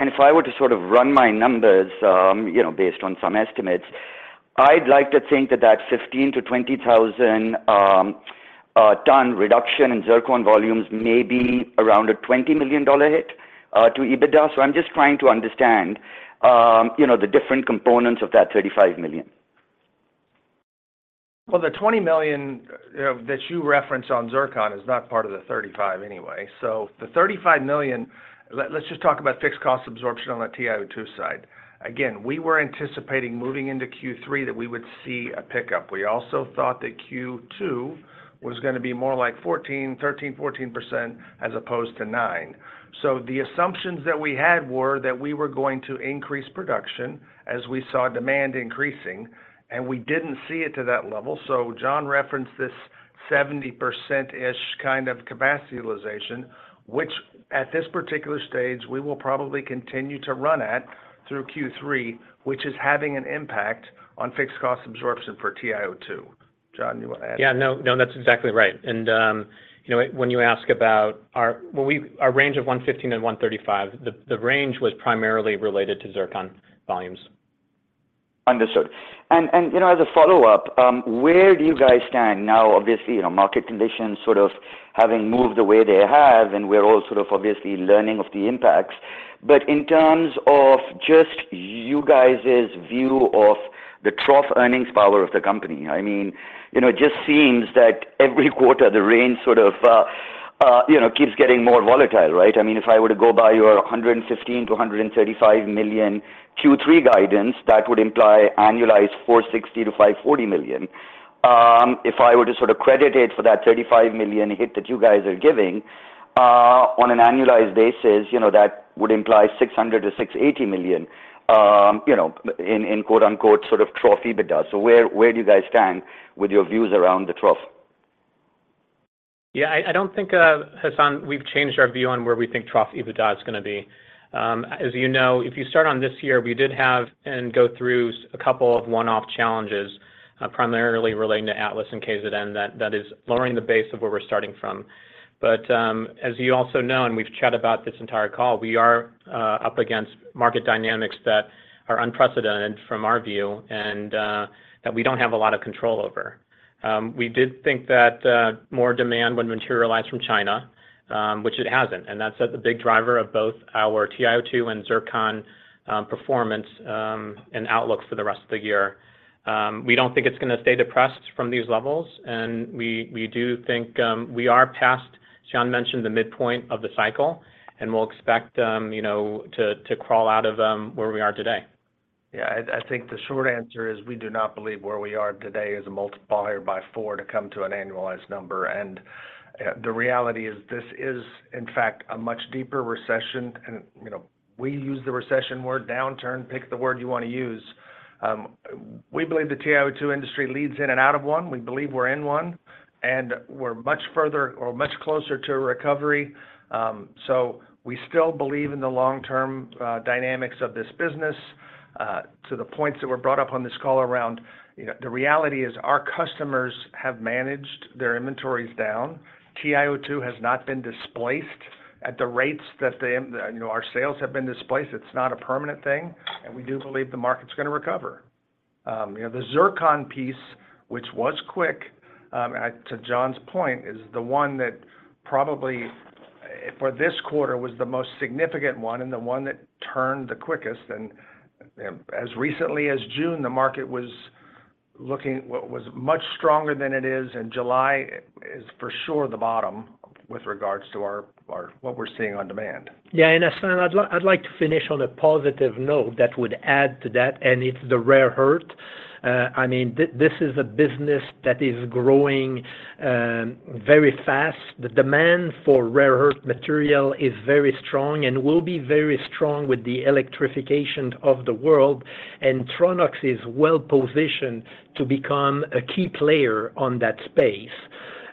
If I were to sort of run my numbers, you know, based on some estimates, I'd like to think that that 15,000-20,000 ton reduction in zircon volumes may be around a $20 million hit to EBITDA. I'm just trying to understand, you know, the different components of that $35 million. The $20 million that you referenced on zircon is not part of the $35 million anyway. The $35 million, let's just talk about fixed cost absorption on the TiO2 side. Again, we were anticipating moving into Q3 that we would see a pickup. We also thought that Q2 was going to be more like 13%-14%, as opposed to 9%. The assumptions that we had were that we were going to increase production as we saw demand increasing, and we didn't see it to that level. John referenced this 70%-ish kind of capacity utilization, which at this particular stage, we will probably continue to run at through Q3, which is having an impact on fixed cost absorption for TiO2. John, you want to add? Yeah, no, that's exactly right. you know, when you ask about our range of 115 and 135, the range was primarily related to zircon volumes. Understood. You know, as a follow-up, where do you guys stand now? Obviously, you know, market conditions sort of having moved the way they have, we're all sort of obviously learning of the impacts. In terms of just you guys's view of the trough earnings power of the company, I mean, you know, it just seems that every quarter, the range sort of, you know, keeps getting more volatile, right? I mean, if I were to go by your $115 million-$135 million Q3 guidance, that would imply annualized $460 million-$540 million. If I were to sort of credit it for that $35 million hit that you guys are giving on an annualized basis, you know, that would imply $600 million-$680 million, you know, in quote-unquote, sort of trough EBITDA. Where do you guys stand with your views around the trough? I don't think Hassan, we've changed our view on where we think trough EBITDA is going to be. As you know, if you start on this year, we did have and go through a couple of one-off challenges, primarily relating to Atlas and Jazan, that is lowering the base of where we're starting from. As you also know, we've chat about this entire call, we are up against market dynamics that are unprecedented from our view that we don't have a lot of control over. We did think that more demand would materialize from China, which it hasn't, and that's at the big driver of both our TiO2 and zircon performance and outlook for the rest of the year. We don't think it's going to stay depressed from these levels, and we do think we are past, John mentioned, the midpoint of the cycle, and we'll expect, you know, to crawl out of where we are today. Yeah, I think the short answer is we do not believe where we are today is a multiplier by 4 to come to an annualized number. The reality is this is, in fact, a much deeper recession, and, you know, we use the recession word, downturn, pick the word you want to use. We believe the TiO2 industry leads in and out of one. We believe we're in one, and we're much further or much closer to a recovery. We still believe in the long-term dynamics of this business. To the points that were brought up on this call around, you know, the reality is our customers have managed their inventories down. TiO2 has not been displaced at the rates that they, you know, our sales have been displaced. It's not a permanent thing, and we do believe the market's gonna recover. You know, the zircon piece, which was quick, to John's point, is the one that probably, for this quarter, was the most significant one and the one that turned the quickest. As recently as June, the market was looking what was much stronger than it is, and July is for sure the bottom with regards to our What we're seeing on demand. Yeah, Hassan, I'd like to finish on a positive note that would add to that, and it's the rare earth. I mean, this is a business that is growing very fast. The demand for rare earth material is very strong and will be very strong with the electrification of the world. Tronox is well positioned to become a key player on that space.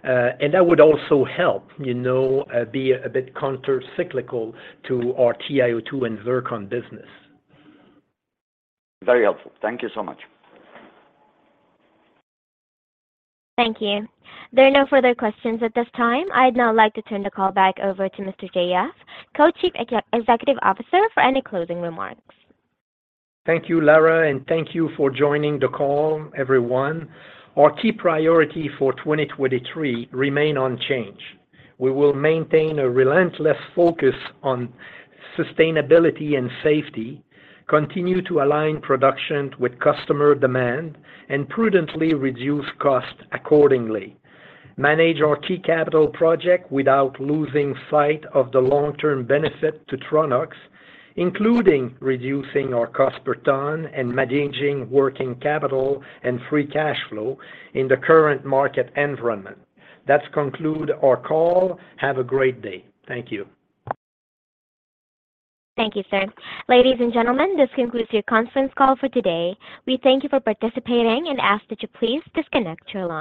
That would also help, you know, be a bit countercyclical to our TiO2 and zircon business. Very helpful. Thank you so much. Thank you. There are no further questions at this time. I'd now like to turn the call back over to Mr. J.F., Co-Chief Executive Officer, for any closing remarks. Thank you, Lara, and thank you for joining the call, everyone. Our key priority for 2023 remain unchanged. We will maintain a relentless focus on sustainability and safety, continue to align production with customer demand, and prudently reduce costs accordingly. Manage our key capital project without losing sight of the long-term benefit to Tronox, including reducing our cost per ton and managing working capital and free cash flow in the current market environment. That conclude our call. Have a great day. Thank you. Thank you, sir. Ladies and gentlemen, this concludes your conference call for today. We thank you for participating and ask that you please disconnect your line.